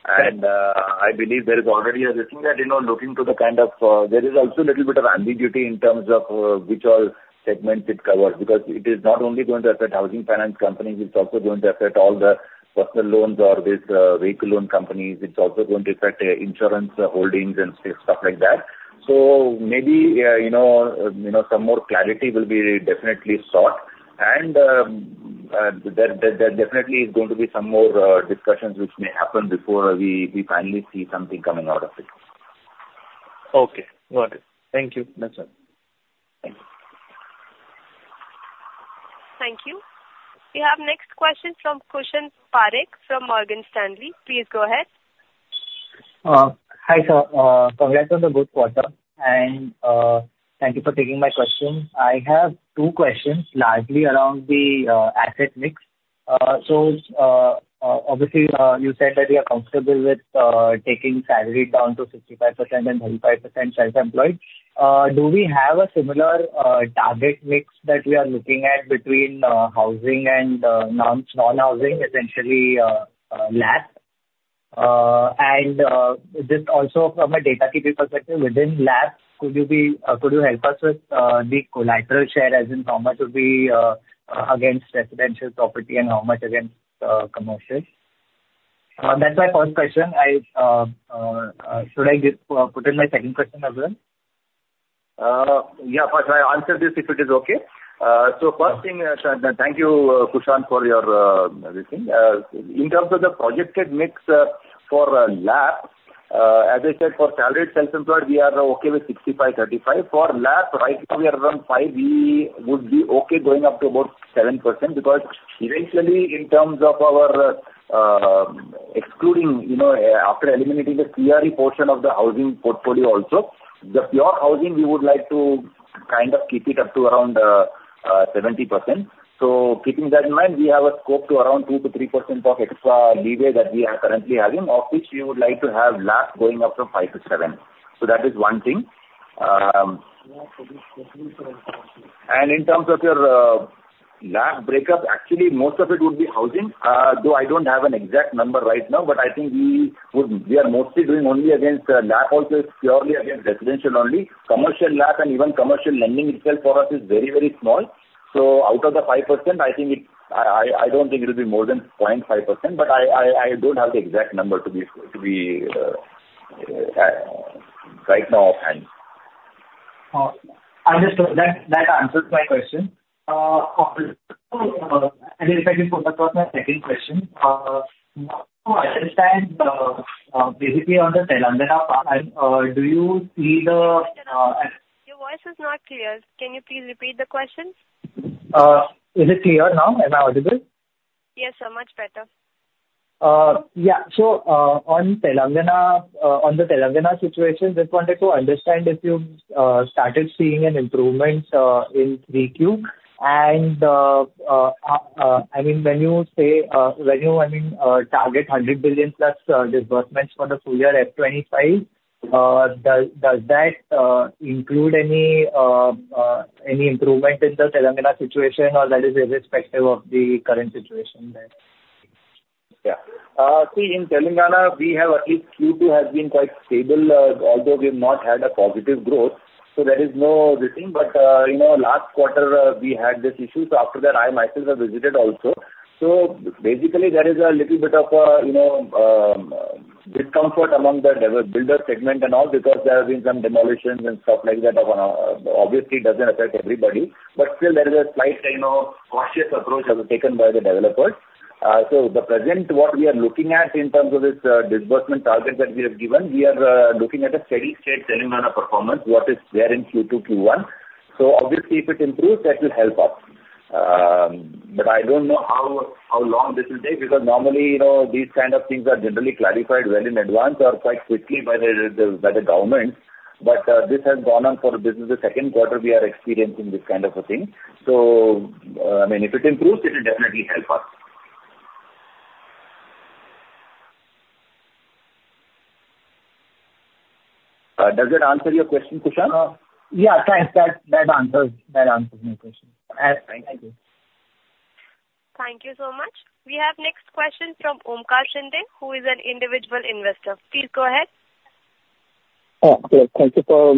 Okay. I believe there is already a risk that, you know, looking to the kind of... There is also a little bit of ambiguity in terms of, which all segments it covers, because it is not only going to affect housing finance companies, it's also going to affect all the personal loans or this, vehicle loan companies. It's also going to affect, insurance holdings and stuff like that. So maybe, you know, some more clarity will be definitely sought. There definitely is going to be some more, discussions which may happen before we finally see something coming out of it. Okay. Got it. Thank you. That's all. Thank you. Thank you. We have next question from Kushan Parikh from Morgan Stanley. Please go ahead. Hi, sir. Congrats on the good quarter, and thank you for taking my question. I have two questions, largely around the asset mix. So, obviously, you said that you are comfortable with taking salaried down to 55% and 45% self-employed. Do we have a similar target mix that we are looking at between housing and non-housing, essentially, LAP? And just also from a data point perspective, within LAP, could you help us with the collateral share, as in how much would be against residential property and how much against commercial? That's my first question. I should just put in my second question as well? Yeah, first I answer this, if it is okay. So first thing, thank you, Kushan, for your everything. In terms of the projected mix, for LAP, as I said, for salaried self-employed, we are okay with 65-35. For LAP, right now we are around 5%. We would be okay going up to about 7%, because eventually, in terms of our, excluding, you know, after eliminating the CRE portion of the housing portfolio also, the pure housing, we would like to kind of keep it up to around 70%. So keeping that in mind, we have a scope to around 2%-3% of extra leeway that we are currently having, of which we would like to have LAP going up from 5% to 7%. So that is one thing. And in terms of your LAP breakup, actually, most of it would be housing. Though I don't have an exact number right now, but I think we would we are mostly doing only against LAP also is purely against residential only. Commercial LAP and even commercial lending itself for us is very, very small. So out of the 5%, I think it. I don't think it will be more than 0.5%, but I don't have the exact number to be right now offhand. Understood. That answers my question. And if I can follow up with my second question. To understand basically on the Telangana, do you see the- Your voice is not clear. Can you please repeat the question? Is it clear now? Am I audible? Yes, sir. Much better. Yeah. So, on Telangana, on the Telangana situation, just wanted to understand if you started seeing an improvement in Q3. I mean, when you say, when you I mean target 100 billion-plus disbursements for the full year FY25, does that any improvement in the Telangana situation, or that is irrespective of the current situation there? Yeah. See, in Telangana, we have at least Q2 has been quite stable, although we've not had a positive growth, so there is no this thing. But, you know, last quarter, we had this issue, so after that, I myself have visited also. So basically, there is a little bit of, you know, discomfort among the developer-builder segment and all, because there have been some demolitions and stuff like that. Obviously, it doesn't affect everybody, but still there is a slight, you know, cautious approach that is taken by the developers. So the present, what we are looking at in terms of this, disbursement target that we have given, we are, looking at a steady state Telangana performance. What is there in Q2, Q1. So obviously, if it improves, that will help us. But I don't know how long this will take, because normally, you know, these kind of things are generally clarified well in advance or quite quickly by the government. But this has gone on for... This is the second quarter we are experiencing this kind of a thing. So, I mean, if it improves, it will definitely help us. Does that answer your question, Kushan? Yeah, thanks. That answers my question. Thank you. Thank you so much. We have next question from Omkar Shinde, who is an individual investor. Please, go ahead. Yeah, thank you for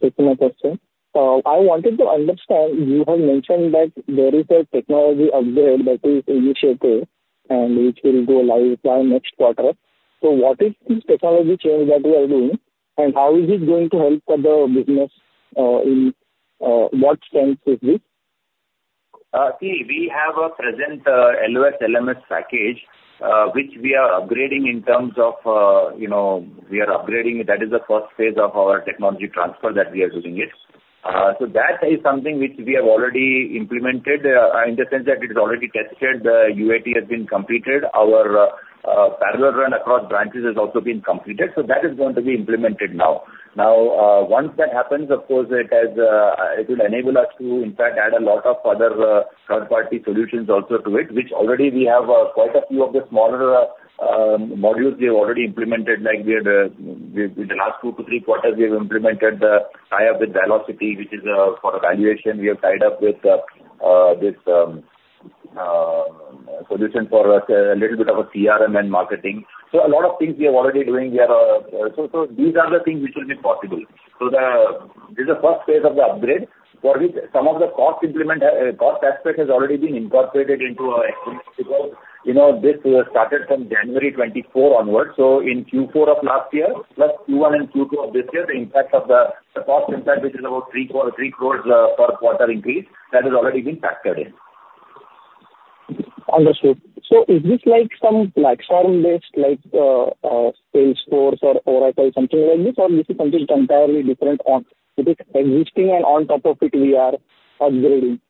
taking my question. I wanted to understand, you have mentioned that there is a technology upgrade that is initiated and which will go live by next quarter. So what is this technology change that you are doing, and how is it going to help the business, in what sense is it? See, we have at present LOS/LMS package, which we are upgrading in terms of, you know, we are upgrading. That is the first phase of our technology transfer that we are doing it. So that is something which we have already implemented, in the sense that it is already tested. The UAT has been completed. Our parallel run across branches has also been completed. So that is going to be implemented now. Now, once that happens, of course, it has, it will enable us to, in fact, add a lot of other third-party solutions also to it, which already we have quite a few of the smaller modules we have already implemented. Like, we had, with the last two to three quarters, we have implemented the tie-up with Valocity, which is for valuation. We have tied up with this solution for a little bit of a CRM and marketing. So a lot of things we are already doing. We are. So these are the things which will be possible. So this is the first phase of the upgrade, for which some of the cost implementation cost aspect has already been incorporated into our estimates. Because, you know, this was started from January 2024 onwards, so in Q4 of last year, plus Q1 and Q2 of this year, the impact of the cost impact, which is about three-quarters, three crores per quarter increase, that has already been factored in. Understood. So is this like some platform-based, like, Salesforce or Oracle, something like this? Or this is something entirely different on... It is existing, and on top of it, we are upgrading?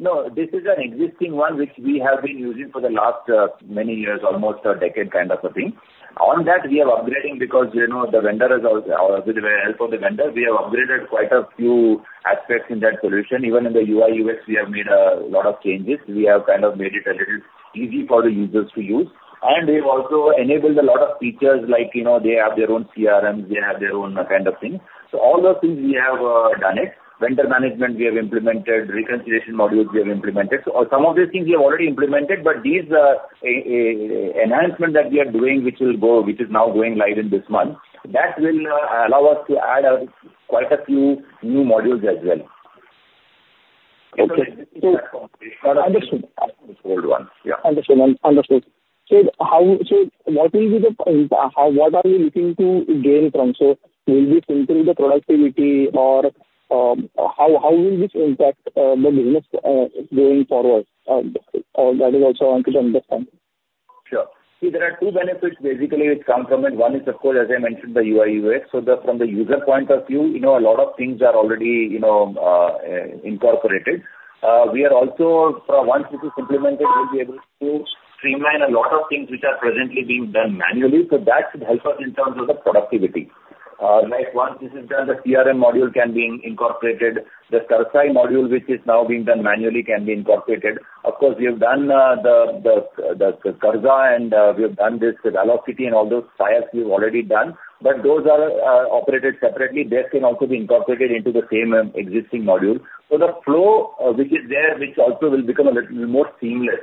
No, this is an existing one, which we have been using for the last, many years, almost a decade, kind of a thing. On that, we are upgrading because, you know, the vendor is also, with the help of the vendor, we have upgraded quite a few aspects in that solution. Even in the UI, UX, we have made a lot of changes. We have kind of made it a little easy for the users to use. And we've also enabled a lot of features like, you know, they have their own CRMs, they have their own kind of thing. So all those things we have, done it. Vendor management, we have implemented. Reconciliation modules, we have implemented. Some of these things we have already implemented, but these are an enhancement that we are doing, which is now going live in this month. That will allow us to add quite a few new modules as well. Okay. So understood. Old one. Yeah. Understood, understood. So what will be the, how, what are you looking to gain from? So will this improve the productivity or, how will this impact the business going forward? That is also wanted to understand. Sure. See, there are two benefits basically which come from it. One is, of course, as I mentioned, the UI, UX. So, from the user point of view, you know, a lot of things are already, you know, incorporated. We are also, once this is implemented, we'll be able to streamline a lot of things which are presently being done manually, so that should help us in terms of the productivity. Like once this is done, the CRM module can be incorporated. The Karza module, which is now being done manually, can be incorporated. Of course, we have done the Karza, and we have done this Velocity, and all those SI's we've already done, but those are operated separately. This can also be incorporated into the same existing module. The flow, which is there, which also will become a little more seamless.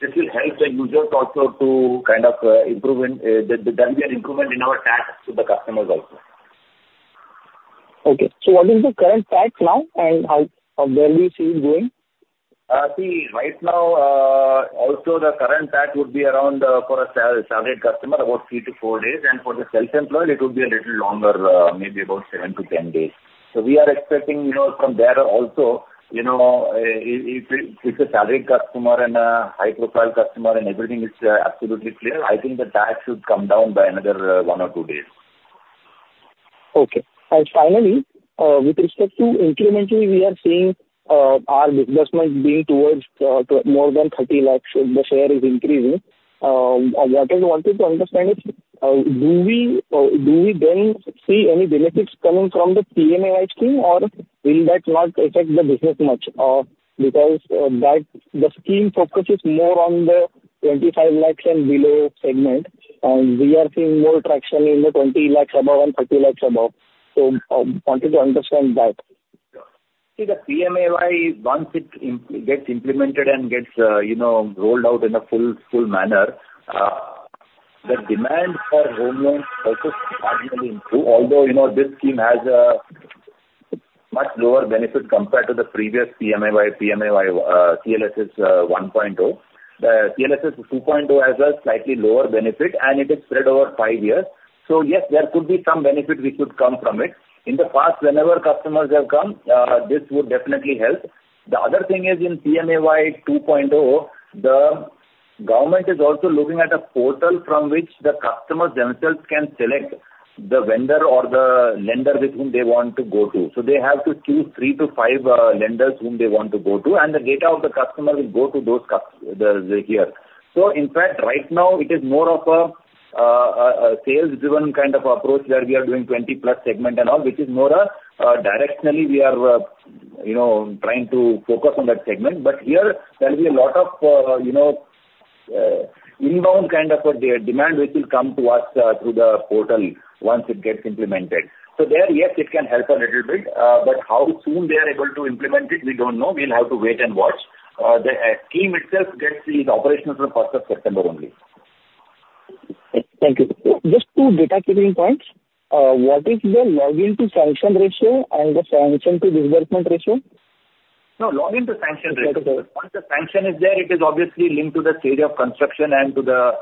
This will help the users also to kind of improve. There'll be an improvement in our TAT to the customers also. Okay. So what is the current TAT now, and how well we see it going? See, right now, also the current TAT would be around, for a salaried customer, about three to four days, and for the self-employed, it would be a little longer, maybe about seven to 10 days. So we are expecting, you know, from there also, you know, if a salaried customer and a high-profile customer and everything is absolutely clear, I think the TAT should come down by another, one or two days. Okay. And finally, with respect to incrementally, we are seeing our disbursements being towards to more than thirty lakhs, so the share is increasing. What I wanted to understand is, do we then see any benefits coming from the PMAY scheme, or will that not affect the business much? Because that the scheme focuses more on the twenty-five lakhs and below segment, and we are seeing more traction in the twenty lakhs above and thirty lakhs above. So, wanted to understand that. See the PMAY, once it gets implemented and gets, you know, rolled out in a full manner, the demand for home loans also marginally improve. Although, you know, this scheme has a much lower benefit compared to the previous PMAY CLSS 1.0. The CLSS 2.0 has a slightly lower benefit, and it is spread over five years. So yes, there could be some benefit which could come from it. In the past, whenever customers have come, this would definitely help. The other thing is in PMAY 2.0, the government is also looking at a portal from which the customers themselves can select the vendor or the lender with whom they want to go to. So they have to choose three to five lenders whom they want to go to, and the data of the customer will go to those customers here. So in fact, right now it is more of a sales-driven kind of approach, where we are doing twenty-plus segment and all, which is more a directionally, we are you know trying to focus on that segment. But here there will be a lot of you know inbound kind of a demand, which will come to us through the portal once it gets implemented. So there, yes, it can help a little bit, but how soon they are able to implement it, we don't know. We'll have to wait and watch. The scheme itself gets these operations from the first of September only. Thank you. Just two data clarifying points. What is the login to sanction ratio and the sanction to disbursement ratio? No, login to sanction ratio. Yes, yes. Once the sanction is there, it is obviously linked to the stage of construction and to the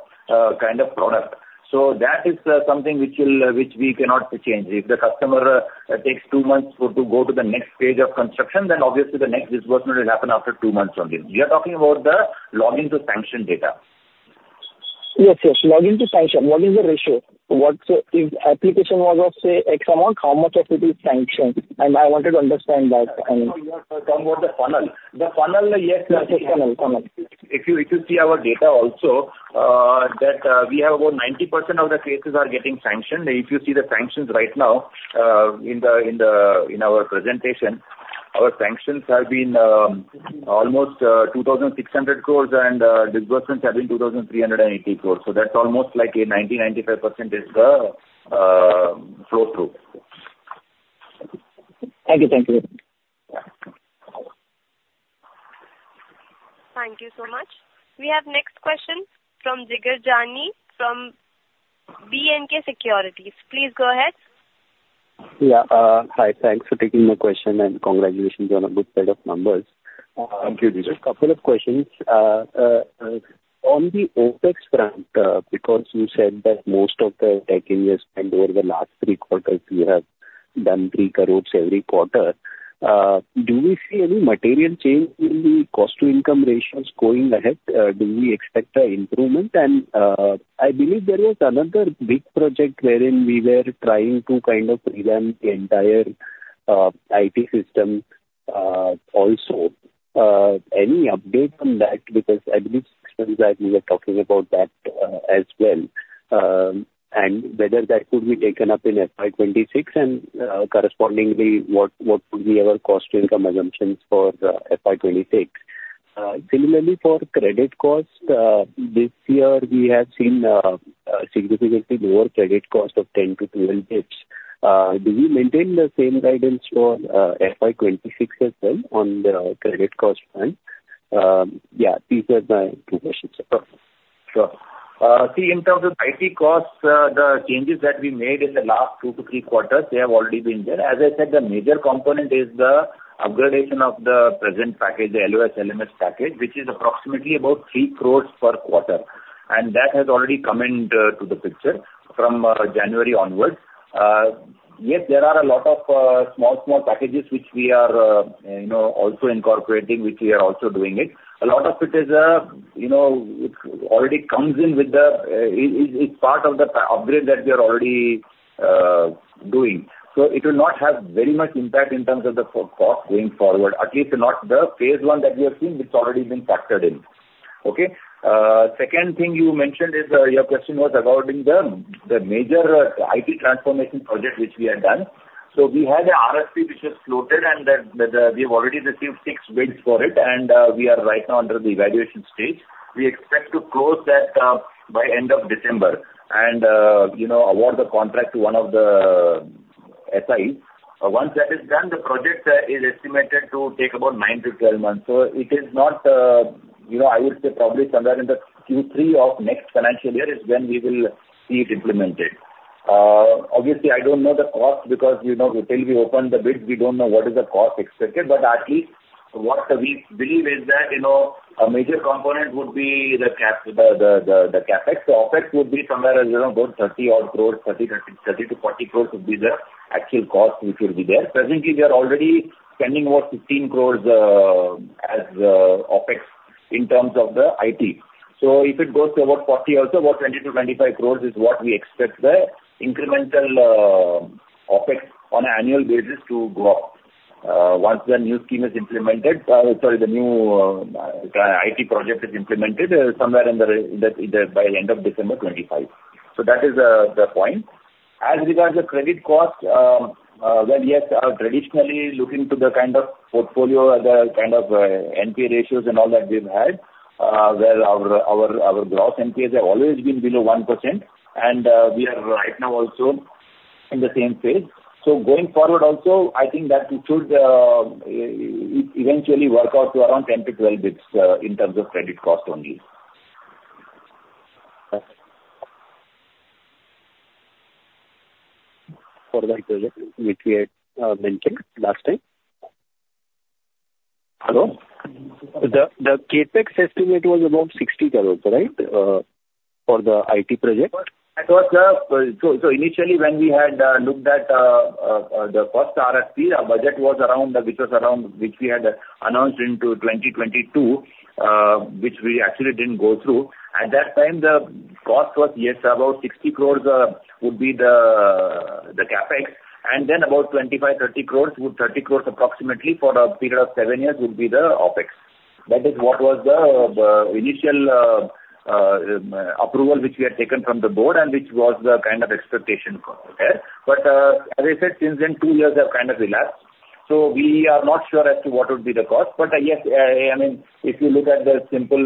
kind of product. So that is something which we cannot change. If the customer takes two months for to go to the next stage of construction, then obviously the next disbursement will happen after two months only. We are talking about the login to sanction data. Yes, yes, login-to-sanction. What is the ratio? What, if application was of, say, X amount, how much of it is sanctioned, and I wanted to understand that. You are talking about the funnel. The funnel, yes- Yes, yes, funnel, funnel. If you, if you see our data also, that we have over 90% of the cases are getting sanctioned. If you see the sanctions right now, in our presentation, our sanctions have been almost 2,600 crores and disbursements have been 2,380 crores. So that's almost like a 90-95% is the flow through. Thank you. Thank you. Thank you so much. We have next question from Jigar Jani, from BNK Securities. Please go ahead. Yeah, hi. Thanks for taking my question, and congratulations on a good set of numbers. Thank you. Just a couple of questions. On the OpEx front, because you said that most of the tech you have spent over the last three quarters, you have done three crores every quarter, do we see any material change in the cost to income ratios going ahead? Do we expect an improvement? And I believe there was another big project wherein we were trying to kind of revamp the entire IT system also. Any update on that? Because I believe that you were talking about that as well. And whether that could be taken up in FY 2026, and correspondingly, what would be our cost to income assumptions for the FY 2026? Similarly, for credit costs, this year, we have seen a significantly lower credit cost of 10 to 12 basis. Do we maintain the same guidance for FY 2026 as well on the credit cost front? Yeah, these are my two questions. Thank you. Sure. See, in terms of IT costs, the changes that we made in the last two to three quarters, they have already been there. As I said, the major component is the upgradation of the present package, the LOS/LMS package, which is approximately about 3 crore per quarter, and that has already come into the picture from January onwards. Yes, there are a lot of small packages which we are, you know, also incorporating, which we are also doing it. A lot of it is, you know, it already comes in with the, it's part of the upgrade that we are already doing. So it will not have very much impact in terms of the cost going forward, at least not the phase one that we have seen, which has already been factored in. Okay? Second thing you mentioned is, your question was regarding the major IT transformation project, which we have done. So we had an RFP which was floated, and that, we have already received six bids for it, and, we are right now under the evaluation stage. We expect to close that, by end of December and, you know, award the contract to one of the SIs. Once that is done, the project is estimated to take about 9-12 months. So it is not, you know, I would say probably somewhere in the Q3 of next financial year is when we will see it implemented. Obviously, I don't know the cost because, you know, until we open the bids, we don't know what is the cost expected. But at least what we believe is that, you know, a major component would be the CapEx. The OpEx would be somewhere around about 30-odd crores, 30-40 crores would be the actual cost which will be there. Presently, we are already spending about 15 crores as OpEx in terms of the IT. So if it goes to about 40 also, about 20-25 crores is what we expect the incremental OpEx on an annual basis to go up. Once the new scheme is implemented, sorry, the new IT project is implemented by the end of December 2025. So that is the point. As regards the credit cost, well, yes, traditionally, looking to the kind of portfolio, the kind of NPA ratios and all that we've had, well, our gross NPAs have always been below 1%, and we are right now also in the same phase. So going forward also, I think that it should eventually work out to around 10-12 basis points, in terms of credit cost only. For the project which we had mentioned last time. The CapEx estimate was about 60 crores, right? For the IT project. That was so initially when we had looked at the first RFP, our budget was around which we had announced in 2022, which we actually didn't go through. At that time, the cost was yes about 60 crores would be the CapEx, and then about 25-30 crores approximately for a period of 7 years would be the OpEx. That is what was the initial approval which we had taken from the board, and which was the kind of expectation there. But as I said, since then, two years have kind of elapsed, so we are not sure as to what would be the cost. But, yes, I mean, if you look at the simple,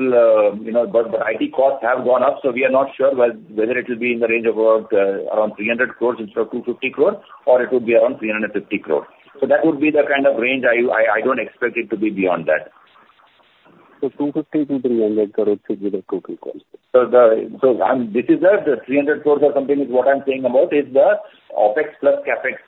you know, but the IT costs have gone up, so we are not sure whether it will be in the range of around 300 crores instead of 250 crores, or it would be around 350 crores. So that would be the kind of range. I don't expect it to be beyond that. So 250-300 crore should be the total cost. This is the 300 crores or something is what I'm saying about, is the OpEx plus CapEx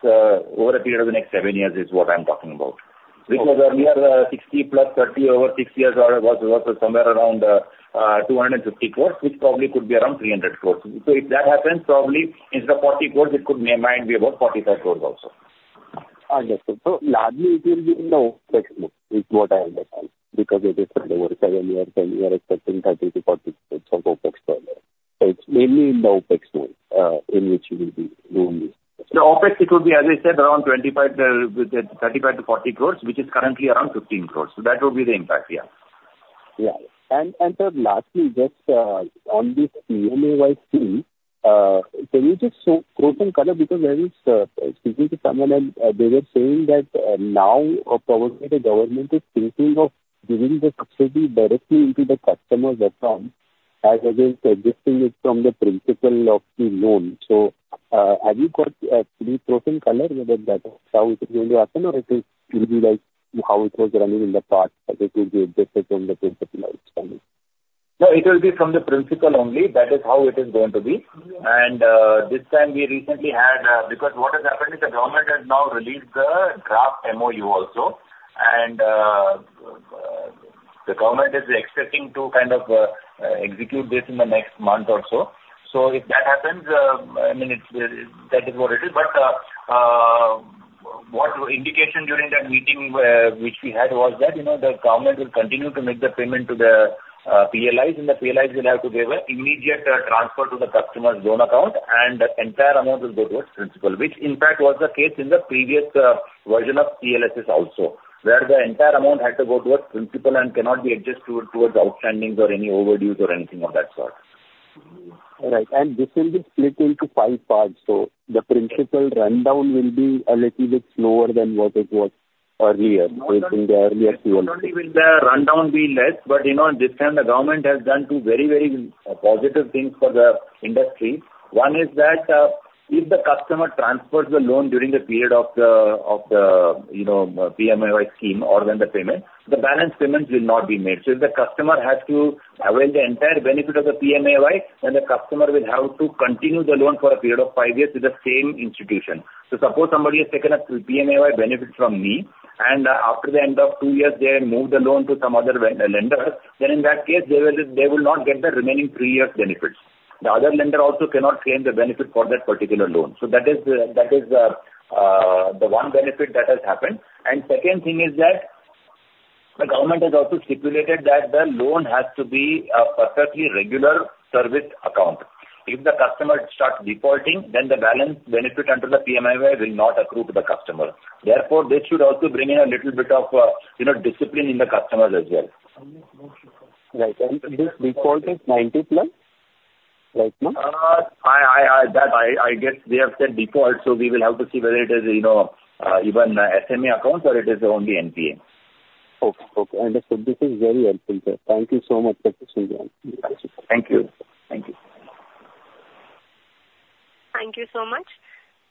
over a period of the next seven years, is what I'm talking about. Okay. Because we have 60 plus 30 over six years, or it was somewhere around 250 crores, which probably could be around 300 crores. So if that happens, probably instead of 40 crores, it could may might be about 45 crores also. I get you, so largely, it will be in the OpEx mode, is what I understand, because it is over seven years and we are expecting INR 30-INR 40 crores of OpEx per year, so it's mainly in the OpEx mode, in which you will be doing this. The OpEx, it will be, as I said, around 25, with the 35-40 crores, which is currently around 15 crores. So that would be the impact, yeah. Yeah. And sir, lastly, just on this PMAY scheme, can you just show growth and color? Because I was speaking to someone, and they were saying that now probably the government is thinking of giving the subsidy directly into the customer's account, as against adjusting it from the principal of the loan. So, have you got any growth and color whether that is how it will happen or it will be like how it was running in the past, that it will be adjusted from the principal outstanding? No, it will be from the principal only. That is how it is going to be. Mm-hmm. This time we recently had. Because what has happened is the government has now released the draft MOU also, and the government is expecting to kind of execute this in the next month or so. So if that happens, I mean, it is that is what it is. But what indication during that meeting, which we had was that, you know, the government will continue to make the payment to the PLIs, and the PLIs will have to give an immediate transfer to the customer's loan account, and the entire amount will go towards principal, which in fact was the case in the previous version of CLSS also, where the entire amount had to go towards principal and cannot be adjusted towards outstandings or any overdues or anything of that sort. Right, and this will be split into five parts. So the principal rundown will be a little bit slower than what it was? earlier, in the earlier Q1. Not only will the rundown be less, but, you know, this time the government has done two very, very positive things for the industry. One is that if the customer transfers the loan during the period of the you know PMAY scheme or when the payment the balance payments will not be made. So if the customer has to avail the entire benefit of the PMAY, then the customer will have to continue the loan for a period of five years with the same institution. So suppose somebody has taken a PMAY benefit from me, and after the end of two years, they have moved the loan to some other lender, then in that case, they will not get the remaining three years benefits. The other lender also cannot claim the benefit for that particular loan. So that is the one benefit that has happened. And second thing is that the government has also stipulated that the loan has to be a perfectly regular service account. If the customer starts defaulting, then the balance benefit under the PMAY will not accrue to the customer. Therefore, this should also bring in a little bit of, you know, discipline in the customers as well. Right. And this default is 90 plus, right now? I guess they have said default, so we will have to see whether it is, you know, even SME accounts or it is only NPA. Okay. Okay, understood. This is very helpful, sir. Thank you so much for this information. Thank you. Thank you. Thank you so much.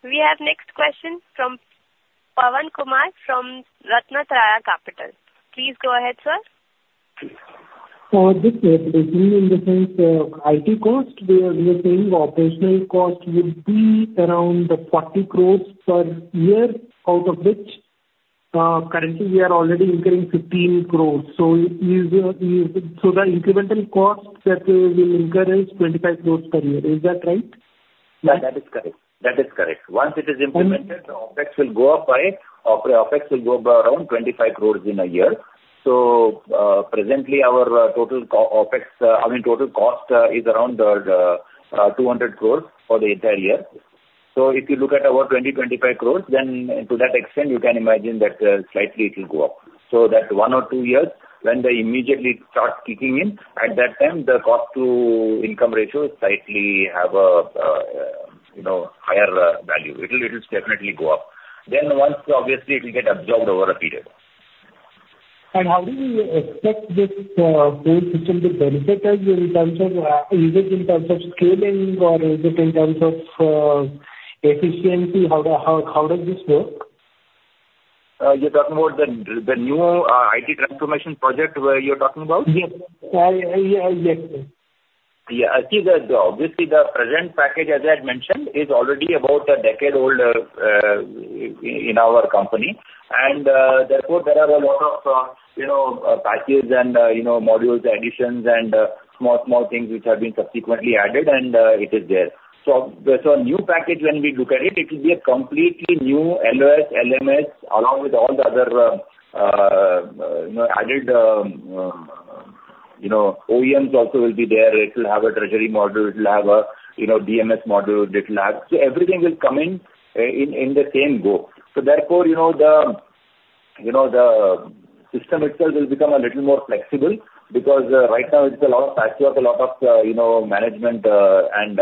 We have next question from Pawan Kumar from Ratnatraya Capital. Please go ahead, sir. This year, in the sense, IT costs, we are saying operational costs will be around 40 crore per year, out of which, currently we are already incurring 15 crore. So you, so the incremental cost that we will incur is 25 crore per year. Is that right? That is correct. That is correct. Once it is implemented, the OpEx will go up by around 25 crore in a year. So, presently, our total OpEx, I mean, total cost, is around 200 crore for the entire year. So if you look at our 25 crore, then to that extent, you can imagine that slightly it will go up. So that one or two years, when they immediately start kicking in, at that time, the cost to income ratio slightly have a, you know, higher value. It will, it will definitely go up. Then once, obviously, it will get absorbed over a period. How do you expect this tool which will be benefited in terms of, is it in terms of efficiency? How does this work? You're talking about the new IT transformation project, where you're talking about? Yes. I yes. Yeah. See, obviously, the present package, as I had mentioned, is already about a decade older in our company. And therefore, there are a lot of you know, packages and you know, modules, additions, and small things which have been subsequently added, and it is there. So new package, when we look at it, it will be a completely new LOS, LMS, along with all the other you know, added you know, OEMs also will be there. It will have a treasury module, it will have a you know, DMS module, it will have. So everything will come in in the same go. So therefore, you know, you know, the system itself will become a little more flexible, because right now it's a lot of patches, a lot of you know, management and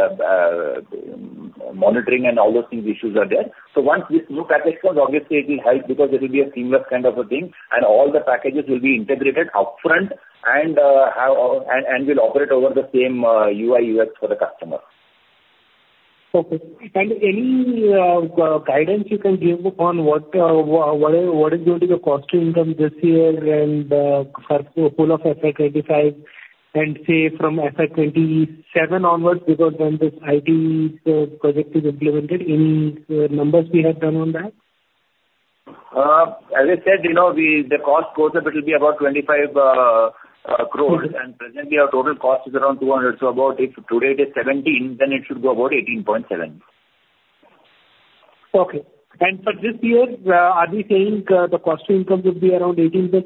monitoring and all those things, issues are there, so once this new package comes, obviously, it will help because it will be a seamless kind of a thing, and all the packages will be integrated upfront and will operate over the same UI, UX for the customer. Okay. And any guidance you can give on what is going to be the cost to income this year and for full FY 2025 and say from FY 2027 onwards, because then this IT project is implemented. Any numbers we have done on that? As I said, you know, the cost goes up, it will be about 25 crores. Mm-hmm. Presently, our total cost is around two hundred. About if today it is seventeen, then it should go about eighteen point seven. Okay. And for this year, are we saying, the cost to income will be around 18%,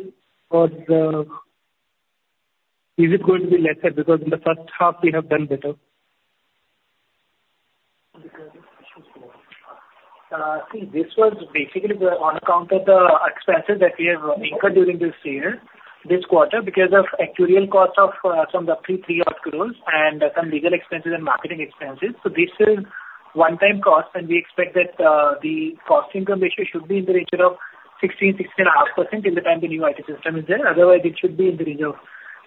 or, is it going to be lesser? Because in the first half, we have done better. See, this was basically on account of the expenses that we have incurred during this year, this quarter, because of actuarial costs of some 3 crores and some legal expenses and marketing expenses. So this is one-time cost, and we expect that the cost income ratio should be in the region of 16-16½%, till the time the new IT system is there. Otherwise, it should be in the range of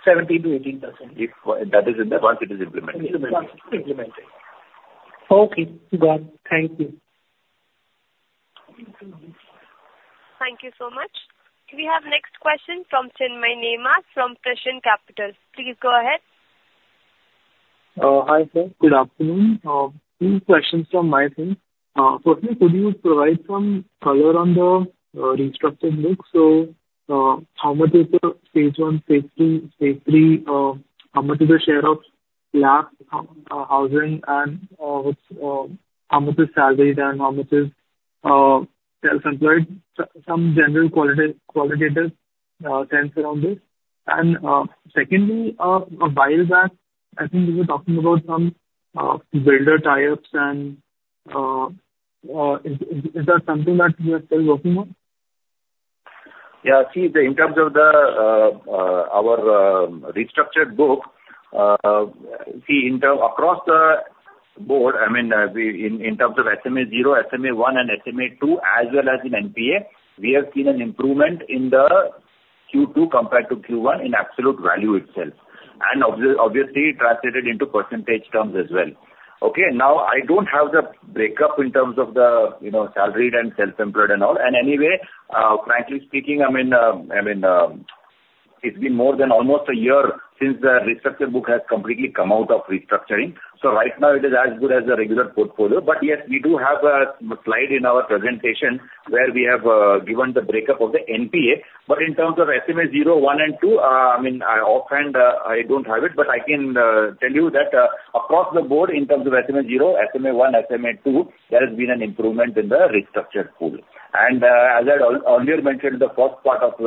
17%-18%. If, that is, once it is implemented. Implemented. Okay, got it. Thank you. Thank you so much. We have next question from Chinmay Nema, from Prescient Capital. Please go ahead. Hi, sir. Good afternoon. Two questions from my side. Firstly, could you provide some color on the restructured books? So, how much is the stage one, Stage 2, Stage 3? How much is the share of LAP, housing, and how much is salaried and how much is self-employed? Some general qualitative trends around this. And secondly, a while back, I think you were talking about some builder tie-ups, and is that something that you are still working on? Yeah. See, in terms of our restructured book, see, across the board, I mean, we, in terms of SMA zero, SMA one, and SMA two, as well as in NPA, we have seen an improvement in the Q2 compared to Q1 in absolute value itself, and obviously, it translated into percentage terms as well. Okay, now, I don't have the breakup in terms of the, you know, salaried and self-employed and all. And anyway, frankly speaking, I mean, it's been more than almost a year since the restructure book has completely come out of restructuring. So right now it is as good as the regular portfolio. But yes, we do have a slide in our presentation where we have given the breakup of the NPA. But in terms of SMA zero, one, and two, I mean, offhand, I don't have it, but I can tell you that, across the board, in terms of SMA zero, SMA one, SMA two, there has been an improvement in the restructured pool. And, as I earlier mentioned, the first part of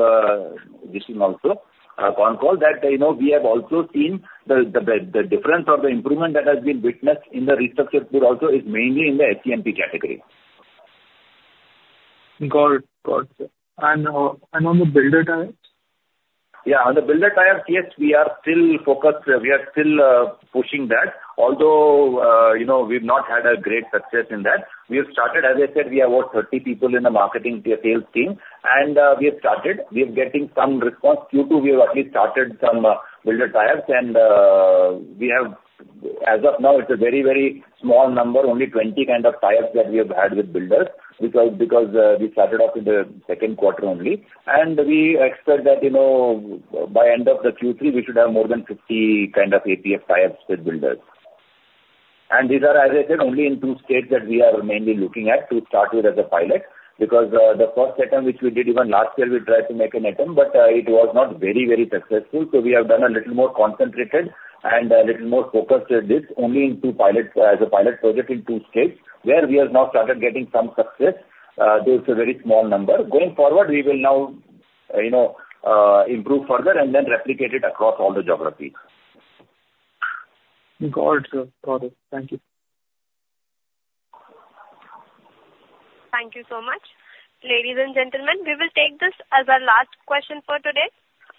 this con call, that, you know, we have also seen the difference or the improvement that has been witnessed in the restructured pool also is mainly in the CMP category. Got it. Got it. And on the builder tie-up? Yeah, on the builder tie, yes, we are still focused. We are still pushing that. Although, you know, we've not had a great success in that. We have started, as I said, we are about 30 people in the marketing sales team, and we have started. We are getting some response. Q2, we have already started some builder ties and we have. As of now, it's a very, very small number, only 20 kind of ties that we have had with builders, because we started off in the second quarter only. And we expect that, you know, by end of the Q3, we should have more than 50 kind of APF ties with builders. These are, as I said, only in two states that we are mainly looking at to start with as a pilot, because the first attempt, which we did even last year, we tried to make an attempt, but it was not very, very successful. We have done a little more concentrated and a little more focused with this, only in two pilot, as a pilot project in two states, where we have now started getting some success. Though it's a very small number. Going forward, we will now, you know, improve further and then replicate it across all the geographies. Got it. Got it. Thank you. Thank you so much. Ladies and gentlemen, we will take this as our last question for today.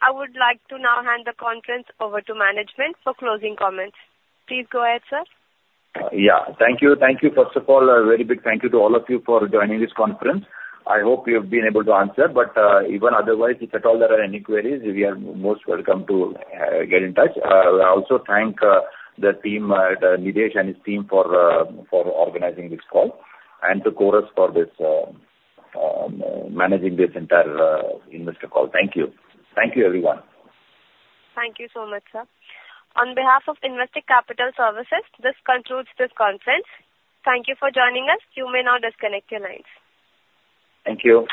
I would like to now hand the conference over to management for closing comments. Please go ahead, sir. Yeah. Thank you. Thank you. First of all, a very big thank you to all of you for joining this conference. I hope we have been able to answer, but even otherwise, if at all there are any queries, you are most welcome to get in touch. I also thank the team at Nitesh and his team for organizing this call and to Chorus for managing this entire investor call. Thank you. Thank you, everyone. Thank you so much, sir. On behalf of Investec Capital Services, this concludes this conference. Thank you for joining us. You may now disconnect your lines. Thank you.